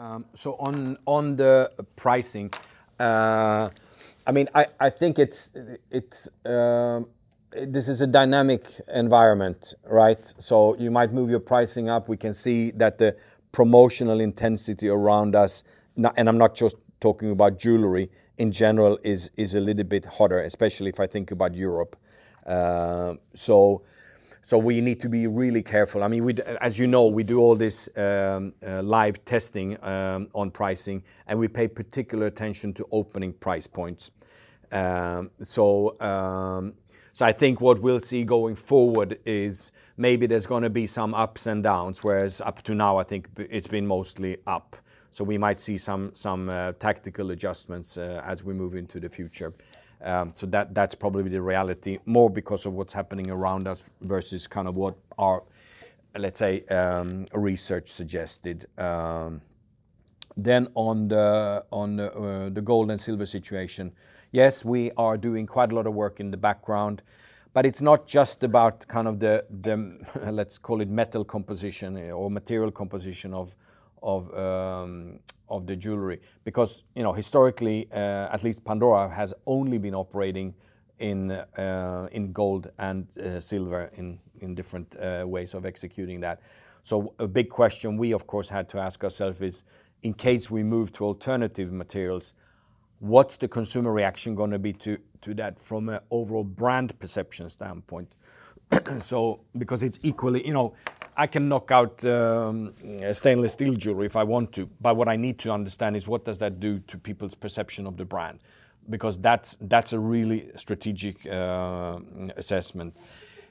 On the pricing, I think this is a dynamic environment, right? You might move your pricing up. We can see that the promotional intensity around us, and I'm not just talking about jewelry in general, is a little bit hotter, especially if I think about Europe. We need to be really careful. As you know, we do all this live testing on pricing, and we pay particular attention to opening price points. I think what we'll see going forward is maybe there's going to be some ups and downs, whereas up to now, I think it's been mostly up. We might see some tactical adjustments as we move into the future. That's probably the reality, more because of what's happening around us versus what our research suggested. On the gold and silver situation, yes, we are doing quite a lot of work in the background, but it's not just about the metal composition or material composition of the jewelry. Historically, at least Pandora has only been operating in gold and silver in different ways of executing that. A big question we, of course, had to ask ourselves is, in case we move to alternative materials, what's the consumer reaction going to be to that from an overall brand perception standpoint? It's equally, you know, I can knock out stainless steel jewelry if I want to. What I need to understand is what does that do to people's perception of the brand? That's a really strategic assessment.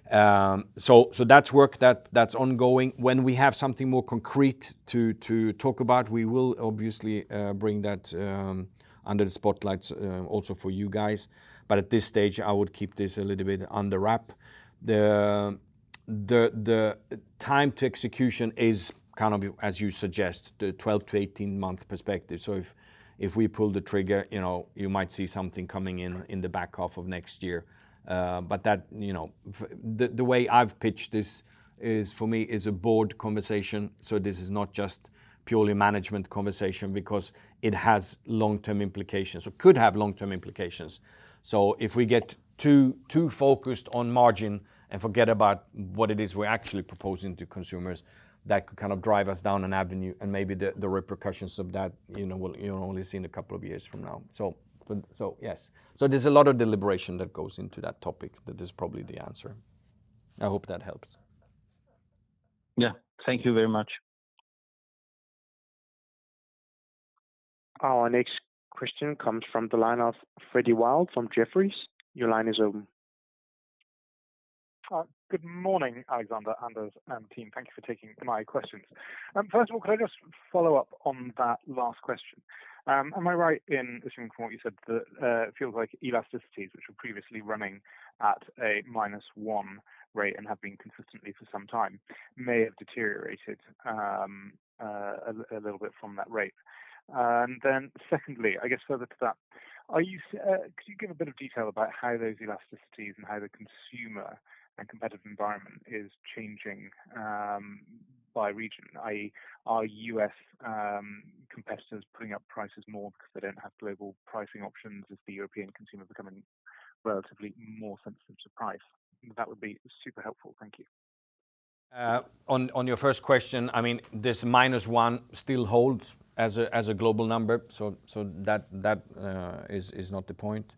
That work is ongoing. When we have something more concrete to talk about, we will obviously bring that under the spotlights also for you guys. At this stage, I would keep this a little bit under wrap. The time to execution is, as you suggest, the 12 month-18 month perspective. If we pull the trigger, you might see something coming in the back half of next year. The way I've pitched this is for me a board conversation. This is not just purely a management conversation because it has long-term implications or could have long-term implications. If we get too focused on margin and forget about what it is we're actually proposing to consumers, that could drive us down an avenue. Maybe the repercussions of that, you'll only see in a couple of years from now. There's a lot of deliberation that goes into that topic. That is probably the answer. I hope that helps. Thank you very much. Our next question comes from the line of Freddie Wild from Jefferies. Your line is open. Good morning, Alexander, Anders, and team. Thank you for taking my questions. First of all, could I just follow up on that last question? Am I right in assuming from what you said that it feels like elasticities, which were previously running at a minus one rate and have been consistently for some time, may have deteriorated a little bit from that rate? Secondly, I guess further to that, could you give a bit of detail about how those elasticities and how the consumer and competitive environment is changing by region? I.e., are U.S. competitors putting up prices more because they don't have global pricing options? Is the European consumer becoming relatively more sensitive to price? That would be super helpful. Thank you. On your first question, I mean, this minus one still holds as a global number. That is not the point.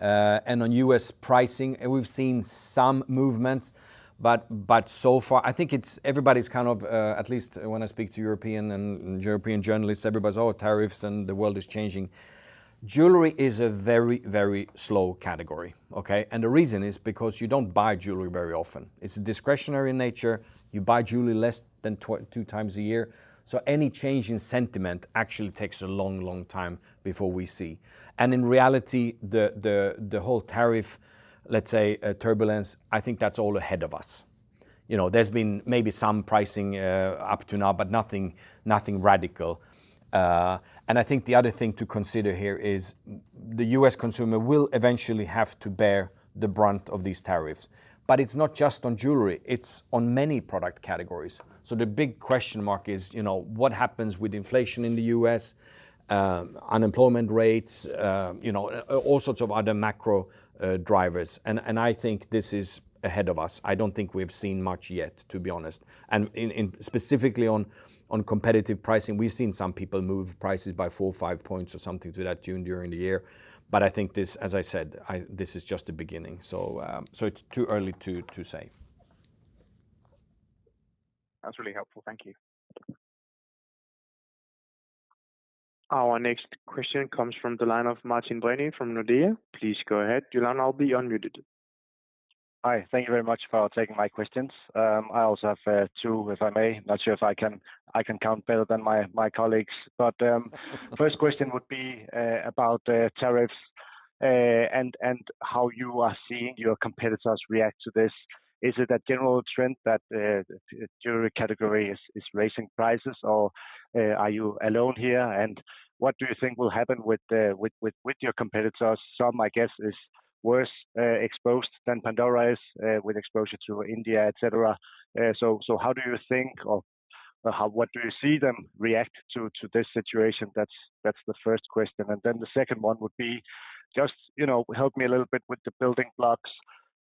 On U.S. pricing, we've seen some movements, but so far, I think everybody's kind of, at least when I speak to European and European journalists, everybody's, oh, tariffs and the world is changing. Jewelry is a very, very slow category, okay? The reason is because you don't buy jewelry very often. It's a discretionary nature. You buy jewelry less than two times a year. Any change in sentiment actually takes a long, long time before we see. In reality, the whole tariff, let's say, turbulence, I think that's all ahead of us. There's been maybe some pricing up to now, but nothing radical. I think the other thing to consider here is the U.S. consumer will eventually have to bear the brunt of these tariffs. It's not just on jewelry. It's on many product categories. The big question mark is, you know, what happens with inflation in the U.S., unemployment rates, all sorts of other macro drivers. I think this is ahead of us. I don't think we've seen much yet, to be honest. Specifically on competitive pricing, we've seen some people move prices by 4% or 5% or something to that tune during the year. I think this, as I said, this is just the beginning. It's too early to say. That's really helpful. Thank you. Our next question comes from the line of Martin Brenøe from Nordea. Please go ahead. Your line will be unmuted. Hi, thank you very much for taking my questions. I also have two, if I may. I'm not sure if I can count better than my colleagues. The first question would be about the tariffs and how you are seeing your competitors react to this. Is it a general trend that the jewelry category is raising prices, or are you alone here? What do you think will happen with your competitors? Some, I guess, are worse exposed than Pandora is with exposure to India, et cetera. How do you think, or what do you see them react to this situation? That's the first question. The second one would be just, you know, help me a little bit with the building blocks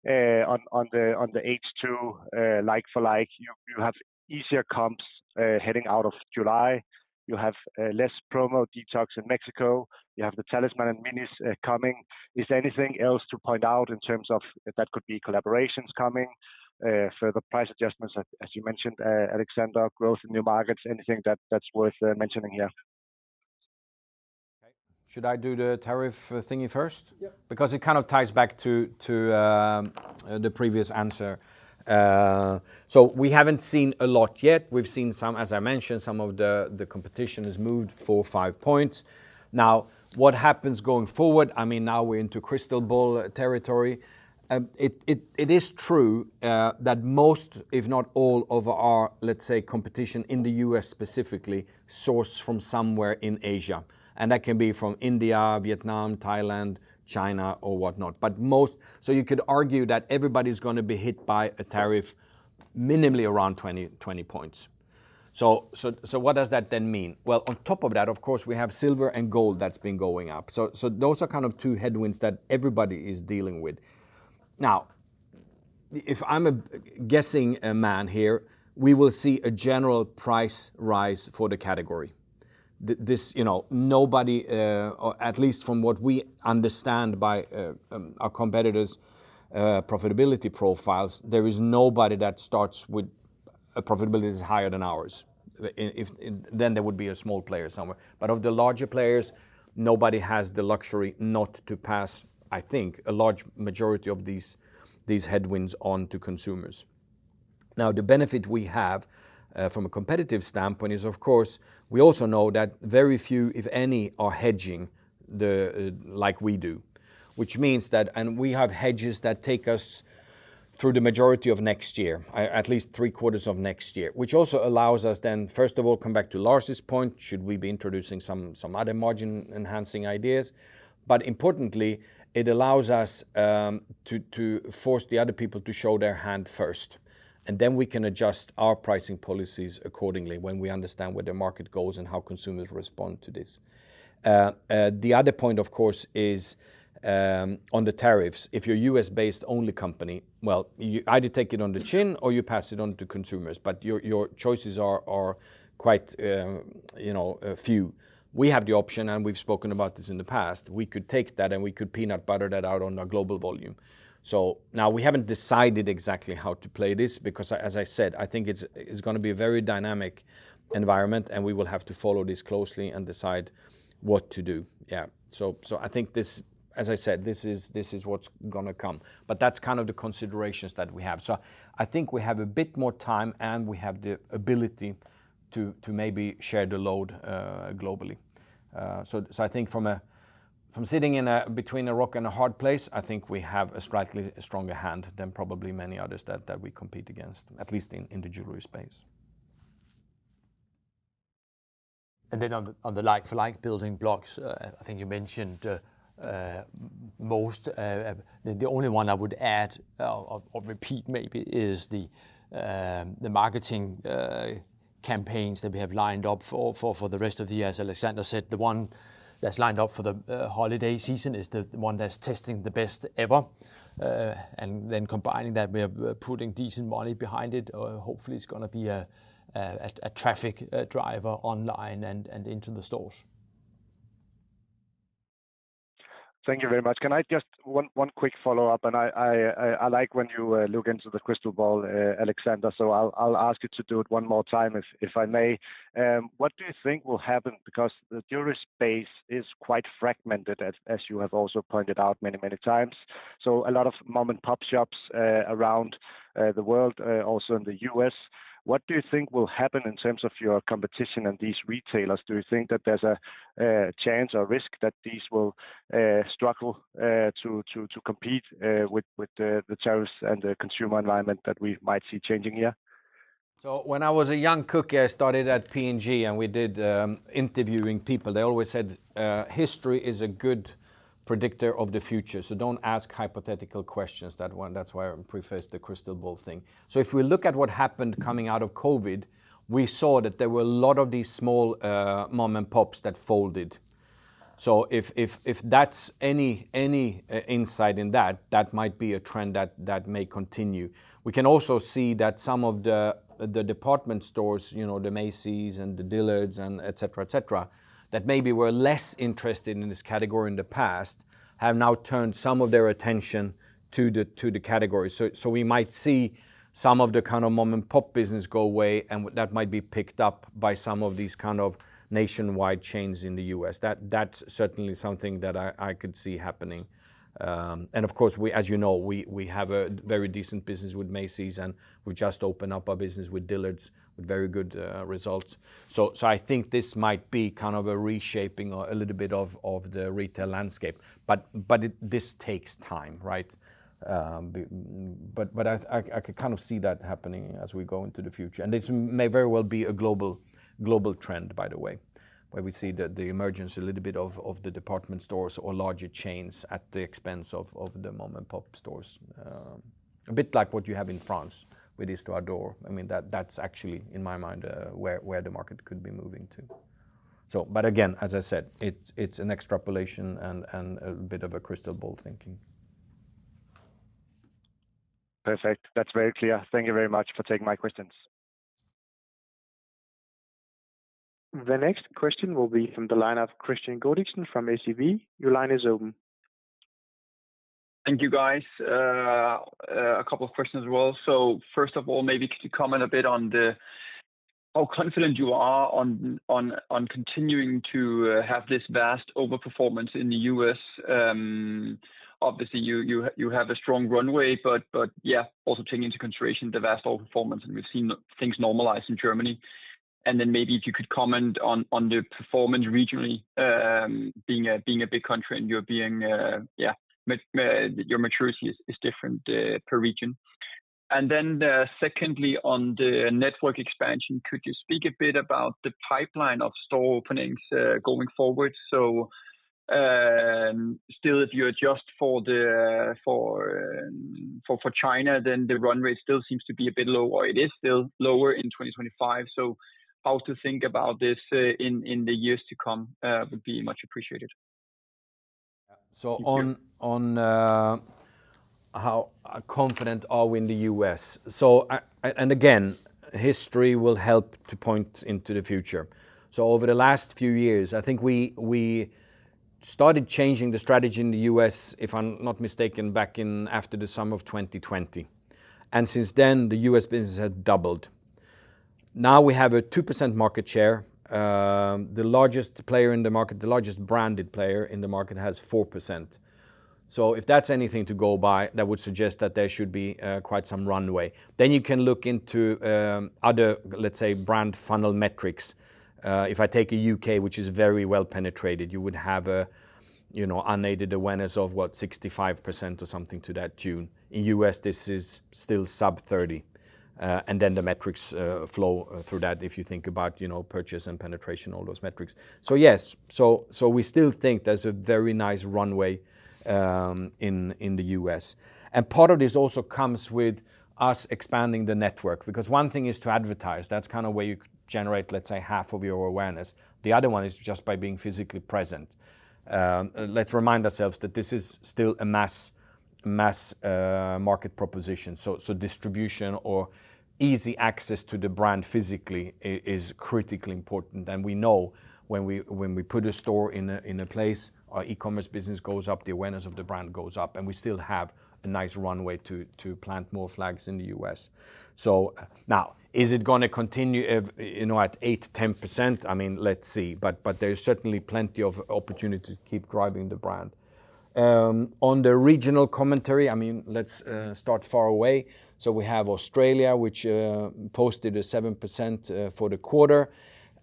on the H2 like-for-like. You have easier comps heading out of July. You have less promo detox in Mexico. You have the talisman and minis coming. Is there anything else to point out in terms of that could be collaborations coming, further price adjustments, as you mentioned, Alexander, growth in new markets, anything that's worth mentioning here? Should I do the tariff thing first? Yeah. Because it kind of ties back to the previous answer. We haven't seen a lot yet. We've seen some, as I mentioned, some of the competition has moved 4 points or 5 points. Now, what happens going forward? I mean, now we're into crystal ball territory. It is true that most, if not all, of our, let's say, competition in the U.S. specifically source from somewhere in Asia. That can be from India, Vietnam, Thailand, China, or whatnot. Most, so you could argue that everybody's going to be hit by a tariff minimally around 20%. What does that then mean? On top of that, of course, we have silver and gold that's been going up. Those are kind of two headwinds that everybody is dealing with. If I'm guessing a man here, we will see a general price rise for the category. This, you know, nobody, or at least from what we understand by our competitors' profitability profiles, there is nobody that starts with a profitability that's higher than ours. There would be a small player somewhere. Of the larger players, nobody has the luxury not to pass, I think, a large majority of these headwinds onto consumers. The benefit we have from a competitive standpoint is, of course, we also know that very few, if any, are hedging like we do, which means that, and we have hedges that take us through the majority of next year, at least three quarters of next year, which also allows us then, first of all, come back to Lars's point. Should we be introducing some other margin-enhancing ideas? Importantly, it allows us to force the other people to show their hand first. We can adjust our pricing policies accordingly when we understand where the market goes and how consumers respond to this. The other point, of course, is on the tariffs. If you're a U.S.-based only company, you either take it on the chin or you pass it on to consumers. Your choices are quite, you know, few. We have the option, and we've spoken about this in the past. We could take that and we could peanut butter that out on a global volume. We haven't decided exactly how to play this because, as I said, I think it's going to be a very dynamic environment and we will have to follow this closely and decide what to do. I think this is what's going to come. That's kind of the considerations that we have. I think we have a bit more time and we have the ability to maybe share the load globally. I think from sitting between a rock and a hard place, we have a slightly stronger hand than probably many others that we compete against, at least in the jewelry space. On the like-for-like building blocks, I think you mentioned most. The only one I would add or repeat maybe is the marketing campaigns that we have lined up for the rest of the year. As Alexander said, the one that's lined up for the holiday season is the one that's testing the best ever. Combining that, we are putting decent money behind it. Hopefully, it's going to be a traffic driver online and into the stores. Thank you very much. Can I just ask one quick follow-up? I like when you look into the crystal ball, Alexander. I'll ask you to do it one more time, if I may. What do you think will happen? The jewelry space is quite fragmented, as you have also pointed out many, many times. There are a lot of mom-and-pop shops around the world, also in the U.S. What do you think will happen in terms of your competition and these retailers? Do you think that there's a chance or a risk that these will struggle to compete with the tariffs and the consumer environment that we might see changing here? When I was a young cook, I started at P&G and we did interviewing people. They always said history is a good predictor of the future. Do not ask hypothetical questions, that one. That is why I prefaced the crystal ball thing. If we look at what happened coming out of COVID, we saw that there were a lot of these small mom-and-pops that folded. If that is any insight in that, that might be a trend that may continue. We can also see that some of the department stores, you know, the Macy's and the Dillard's and et cetera, et cetera, that maybe were less interested in this category in the past have now turned some of their attention to the category. We might see some of the kind of mom-and-pop business go away and that might be picked up by some of these kind of nationwide chains in the U.S. That is certainly something that I could see happening. Of course, as you know, we have a very decent business with Macy's and we have just opened up our business with Dillard's with very good results. I think this might be kind of a reshaping or a little bit of the retail landscape. This takes time, right? I can kind of see that happening as we go into the future. This may very well be a global trend, by the way, where we see the emergence a little bit of the department stores or larger chains at the expense of the mom-and-pop stores. A bit like what you have in France with the store door. That is actually, in my mind, where the market could be moving to. Again, as I said, it is an extrapolation and a bit of a crystal ball thinking. Perfect. That's very clear. Thank you very much for taking my questions. The next question will be from the line of Kristian Godiksen from SEB. Your line is open. Thank you, guys. A couple of questions as well. First of all, maybe could you comment a bit on how confident you are on continuing to have this vast overperformance in the U.S.? Obviously, you have a strong runway, but also taking into consideration the vast overperformance and we've seen things normalize in Germany. Could you comment on the performance regionally, being a big country and your maturity is different per region? Secondly, on the network expansion, could you speak a bit about the pipeline of store openings going forward? If you adjust for China, then the runway still seems to be a bit low or it is still lower in 2025. How to think about this in the years to come would be much appreciated. How confident are we in the U.S.? History will help to point into the future. Over the last few years, I think we started changing the strategy in the U.S., if I'm not mistaken, back after the summer of 2020. Since then, the U.S. business has doubled. Now we have a 2% market share. The largest player in the market, the largest branded player in the market, has 4%. If that's anything to go by, that would suggest that there should be quite some runway. You can look into other, let's say, brand funnel metrics. If I take the U.K., which is very well penetrated, you would have an unaided awareness of, what, 65% or something to that tune. In the U.S., this is still sub 30. The metrics flow through that if you think about purchase and penetration, all those metrics. We still think there's a very nice runway in the U.S. Part of this also comes with us expanding the network because one thing is to advertise. That's kind of where you generate, let's say, half of your awareness. The other one is just by being physically present. Let's remind ourselves that this is still a mass market proposition. Distribution or easy access to the brand physically is critically important. We know when we put a store in a place, our e-commerce business goes up, the awareness of the brand goes up, and we still have a nice runway to plant more flags in the U.S. Is it going to continue, you know, at 8%-10%? Let's see. There's certainly plenty of opportunity to keep driving the brand. On the regional commentary, let's start far away. We have Australia, which posted a 7% for the quarter.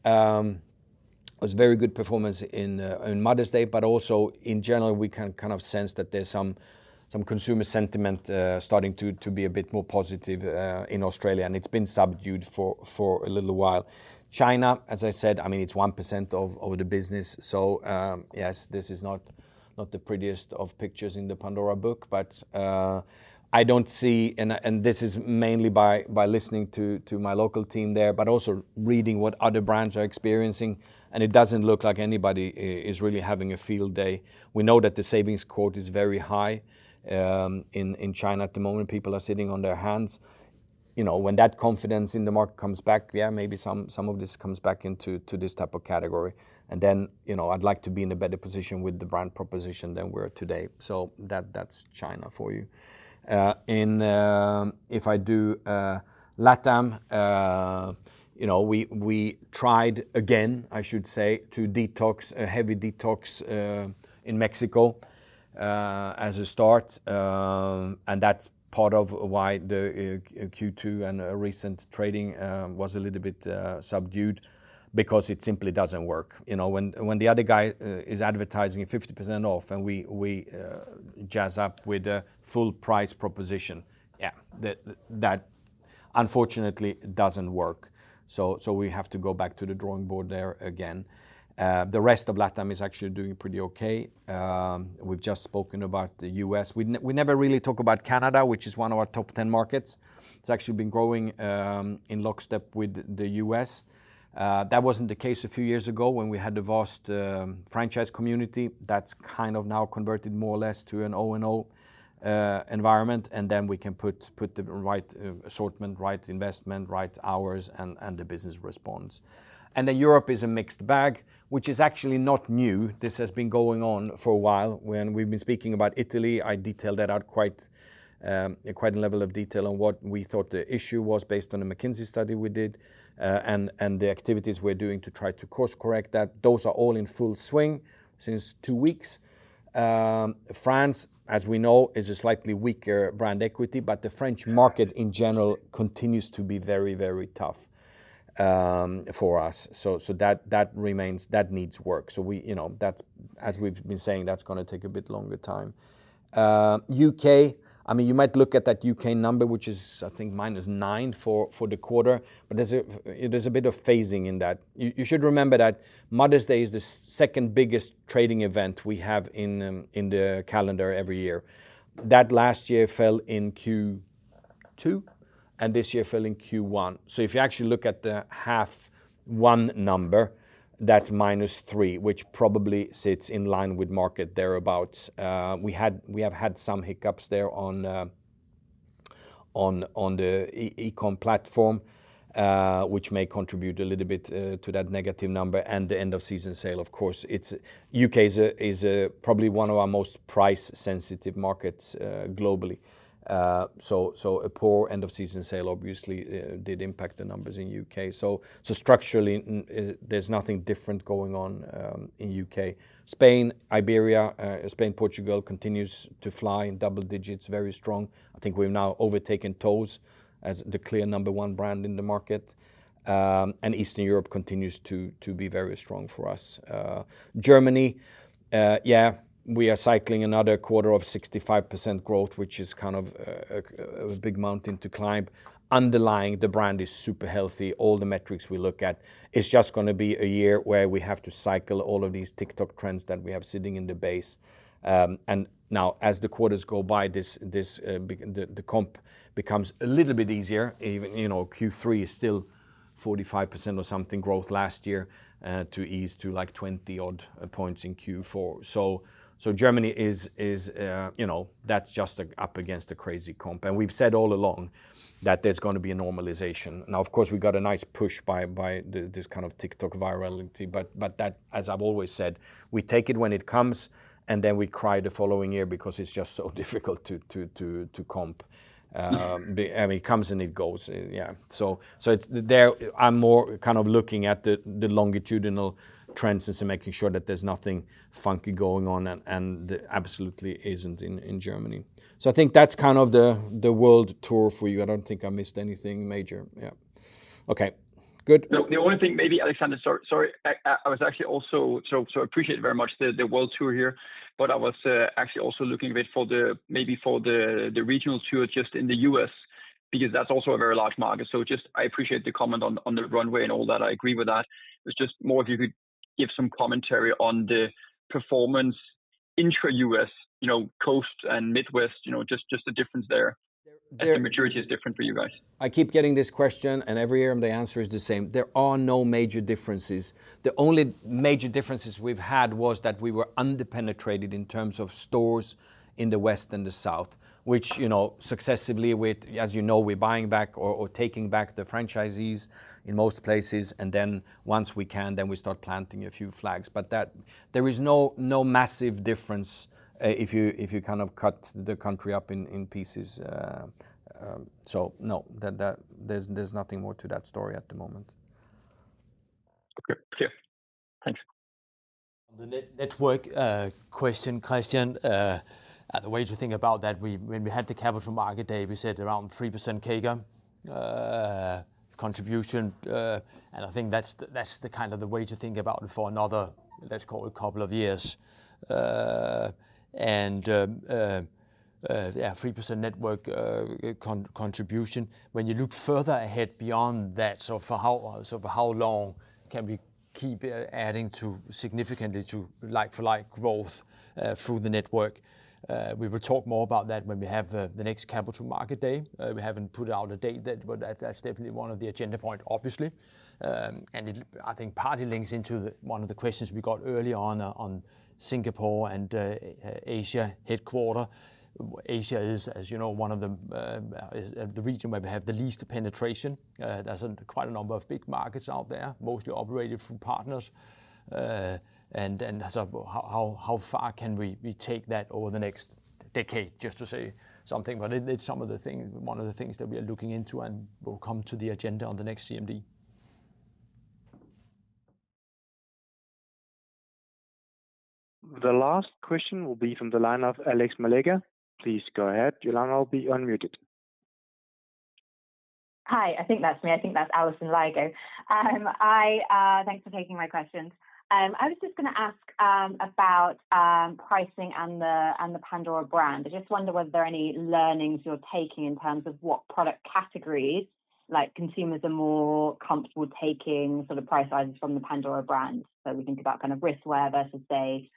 It was a very good performance in Mother's Day, but also in general, we can kind of sense that there's some consumer sentiment starting to be a bit more positive in Australia, and it's been subdued for a little while. China, as I said, is 1% of the business. This is not the prettiest of pictures in the Pandora book, but I don't see, and this is mainly by listening to my local team there, but also reading what other brands are experiencing, and it doesn't look like anybody is really having a field day. We know that the savings quote is very high in China at the moment. People are sitting on their hands. When that confidence in the market comes back, maybe some of this comes back into this type of category. I'd like to be in a better position with the brand proposition than we are today. That's China for you. If I do LATAM, we tried again, I should say, to detox, a heavy detox in Mexico as a start. That's part of why the Q2 and recent trading was a little bit subdued because it simply doesn't work. When the other guy is advertising 50% off and we jazz up with a full price proposition, that unfortunately doesn't work. We have to go back to the drawing board there again. The rest of LATAM is actually doing pretty okay. We've just spoken about the U.S.. We never really talk about Canada, which is one. 10 markets. It's actually been growing in lockstep with the U.S.. That wasn't the case a few years ago when we had the vast franchise community that's kind of now converted more or less to an [ONO Environment]. Then we can put the right assortment, right investment, right hours, and the business responds. Europe is a mixed bag, which is actually not new. This has been going on for a while. When we've been speaking about Italy, I detailed that out quite a level of detail on what we thought the issue was based on the McKinsey study we did and the activities we're doing to try to course correct that. Those are all in full swing since two weeks. France, as we know, is a slightly weaker brand equity, but the French market in general continues to be very, very tough for us. That remains, that needs work. As we've been saying, that's going to take a bit longer time. U.K., I mean, you might look at that U.K. number, which is, I think, minus 9% for the quarter, but there's a bit of phasing in that. You should remember that Mother's Day is the second biggest trading event we have in the calendar every year. That last year fell in Q2 and this year fell in Q1. If you actually look at the half one number, that's minus 3%, which probably sits in line with market thereabouts. We have had some hiccups there on the e-com platform, which may contribute a little bit to that negative number and the end of season sale. Of course, U.K. is probably one of our most price sensitive markets globally, so a poor end of season sale obviously did impact the numbers in the U.K.. Structurally, there's nothing different going on in the U.K.. Spain, Iberia, Spain, Portugal continues to fly in double digits, very strong. I think we've now overtaken Toes as the clear number one brand in the market, and Eastern Europe continues to be very strong for us. Germany, yeah, we are cycling another quarter of 65% growth, which is kind of a big mountain to climb. Underlying, the brand is super healthy. All the metrics we look at, it's just going to be a year where we have to cycle all of these TikTok trends that we have sitting in the base. Now as the quarters go by, the comp becomes a little bit easier. Even Q3 is still 45% or something growth last year, to ease to like 20 odd points in Q4. Germany is, you know, that's just up against a crazy comp. We've said all along that there's going to be a normalization. Of course, we got a nice push by this kind of TikTok virality, but, as I've always said, we take it when it comes and then we cry the following year because it's just so difficult to comp. I mean, it comes and it goes. It's there. I'm more kind of looking at the longitudinal trends and making sure that there's nothing funky going on, and there absolutely isn't in Germany. I think that's kind of the world tour for you. I don't think I missed anything major. Yeah. Okay. Good. The only thing, maybe, Alexander, sorry, I was actually also, I appreciate it very much, the world tour here, but I was actually also looking a bit for the, maybe for the regional tour just in the U.S. because that's also a very large market. I appreciate the comment on the runway and all that. I agree with that. It's just more if you could give some commentary on the performance intra-U.S., you know, coast and Midwest, you know, just the difference there. The maturity is different for you guys. I keep getting this question and every year the answer is the same. There are no major differences. The only major differences we've had was that we were underpenetrated in terms of stores in the West and the South, which, you know, successively, as you know, we're buying back or taking back the franchisees in most places. Once we can, we start planting a few flags, but there is no massive difference. If you kind of cut the country up in pieces, there is nothing more to that story at the moment. The network question, Kristian, the way to think about that, we, when we had the capital market, David said around 3% CAGR contribution, and I think that's the kind of the way to think about it for another, let's call it a couple of years. Yeah, 3% network contribution. When you look further ahead beyond that, so for how long can we keep adding significantly to like-for-like growth through the network? We will talk more about that when we have the next capital market day. We haven't put out a date yet, but that's definitely one of the agenda points, obviously. I think partly it links into one of the questions we got early on, on Singapore and Asia headquarter. Asia is, as you know, one of the regions where we have the least penetration. That's quite a number of big markets out there, mostly operated from partners. How far can we take that over the next decade just to say something? It's some of the things, one of the things that we are looking into and will come to the agenda on the next CMD. The last question will be from the line of Alison Lygo. Please go ahead. You'll now be unmuted. Hi, I think that's me. I think that's Alison Lygo. Thanks for taking my questions. I was just going to ask about pricing and the Pandora brand. I just wonder whether there are any learnings you're taking in terms of what product categories, like consumers are more comfortable taking sort of price items from the Pandora brand. We think about kind of wristwear versus, say,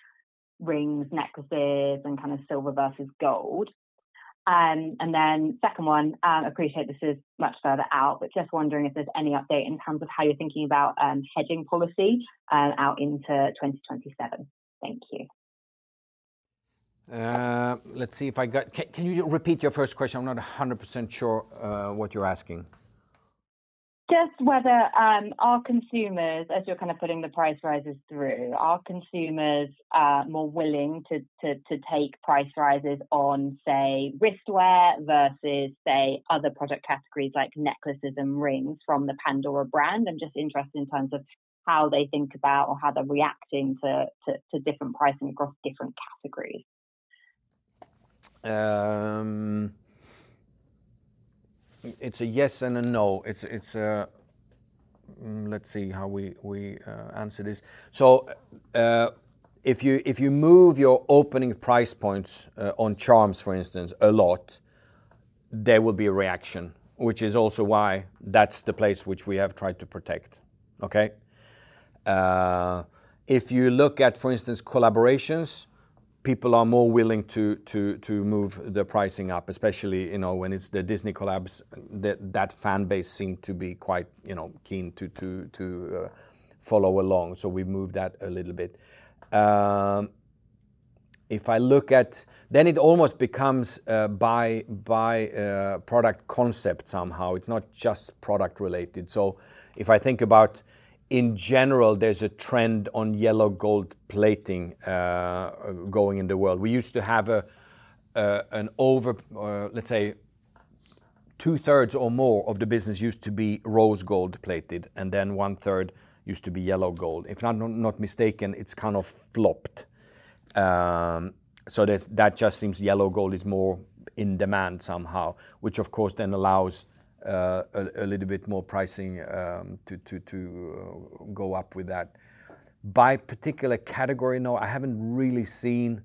rings, necklaces, and kind of silver versus gold. The second one, I appreciate this is much further out, but just wondering if there's any update in terms of how you're thinking about hedging policy out into 2027. Thank you. Let's see if I got it. Can you repeat your first question? I'm not a hundred percent sure what you're asking. Are consumers, as you're kind of putting the price rises through, more willing to take price rises on, say, wristwear versus other product categories like necklaces and rings from the Pandora brand? I'm just interested in terms of how they think about or how they're reacting to different pricing across different categories. It's a yes and a no. Let's see how we answer this. If you move your opening price points on charms, for instance, a lot, there will be a reaction, which is also why that's the place which we have tried to protect. If you look at, for instance, collaborations, people are more willing to move the pricing up, especially when it's the Disney collabs. That fan base seemed to be quite keen to follow along, so we've moved that a little bit. If I look at, then it almost becomes by product concept somehow. It's not just product related. If I think about, in general, there's a trend on yellow gold plating going in the world. We used to have an over, let's say, two thirds or more of the business used to be rose gold plated, and then one third used to be yellow gold. If I'm not mistaken, it's kind of flopped, so that just seems yellow gold is more in demand somehow, which of course then allows a little bit more pricing to go up with that. By particular category, no, I haven't really seen.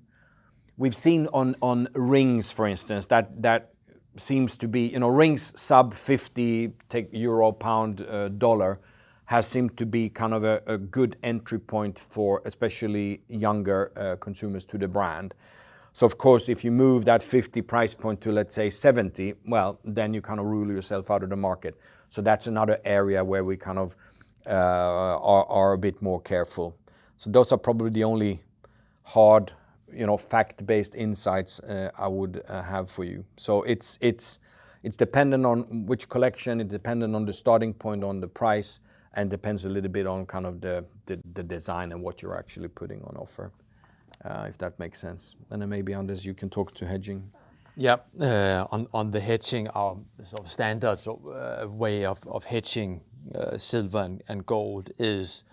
We've seen on rings, for instance, that seems to be, you know, rings sub 50, take euro, pound, dollar, have seemed to be kind of a good entry point for especially younger consumers to the brand. Of course, if you move that 50 price point to, let's say, 70, you kind of rule yourself out of the market. That's another area where we are a bit more careful. Those are probably the only hard, fact-based insights I would have for you. It's dependent on which collection, it's dependent on the starting point on the price, and depends a little bit on the design and what you're actually putting on offer, if that makes sense. Maybe Anders, you can talk to hedging. Yeah, on the hedging, our sort of standard way of hedging silver and gold is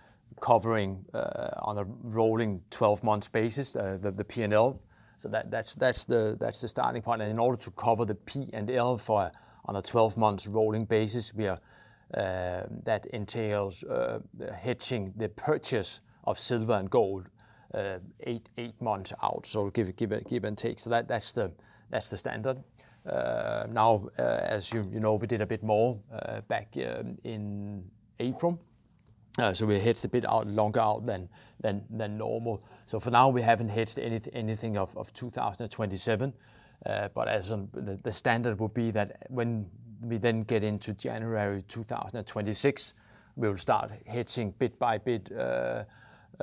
covering, on a rolling 12 months basis, the P&L. That's the starting point. In order to cover the P&L on a 12 months rolling basis, that entails hedging the purchase of silver and gold eight months out, give and take. That's the standard. As you know, we did a bit more back in April. We hedged a bit out longer than normal. For now, we haven't hedged anything of 2027. The standard will be that when we then get into January 2026, we'll start hedging bit by bit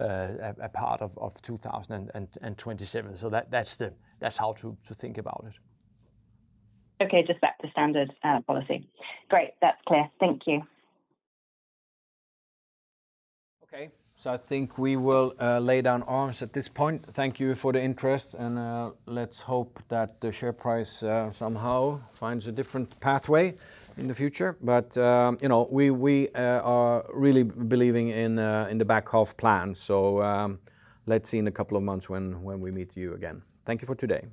a part of 2027. That's how to think about it. Okay. Just back to standard policy. Great, that's clear. Thank you. Okay. I think we will lay down arms at this point. Thank you for the interest, and let's hope that the share price somehow finds a different pathway in the future. We are really believing in the back half plan. Let's see in a couple of months when we meet you again. Thank you for today.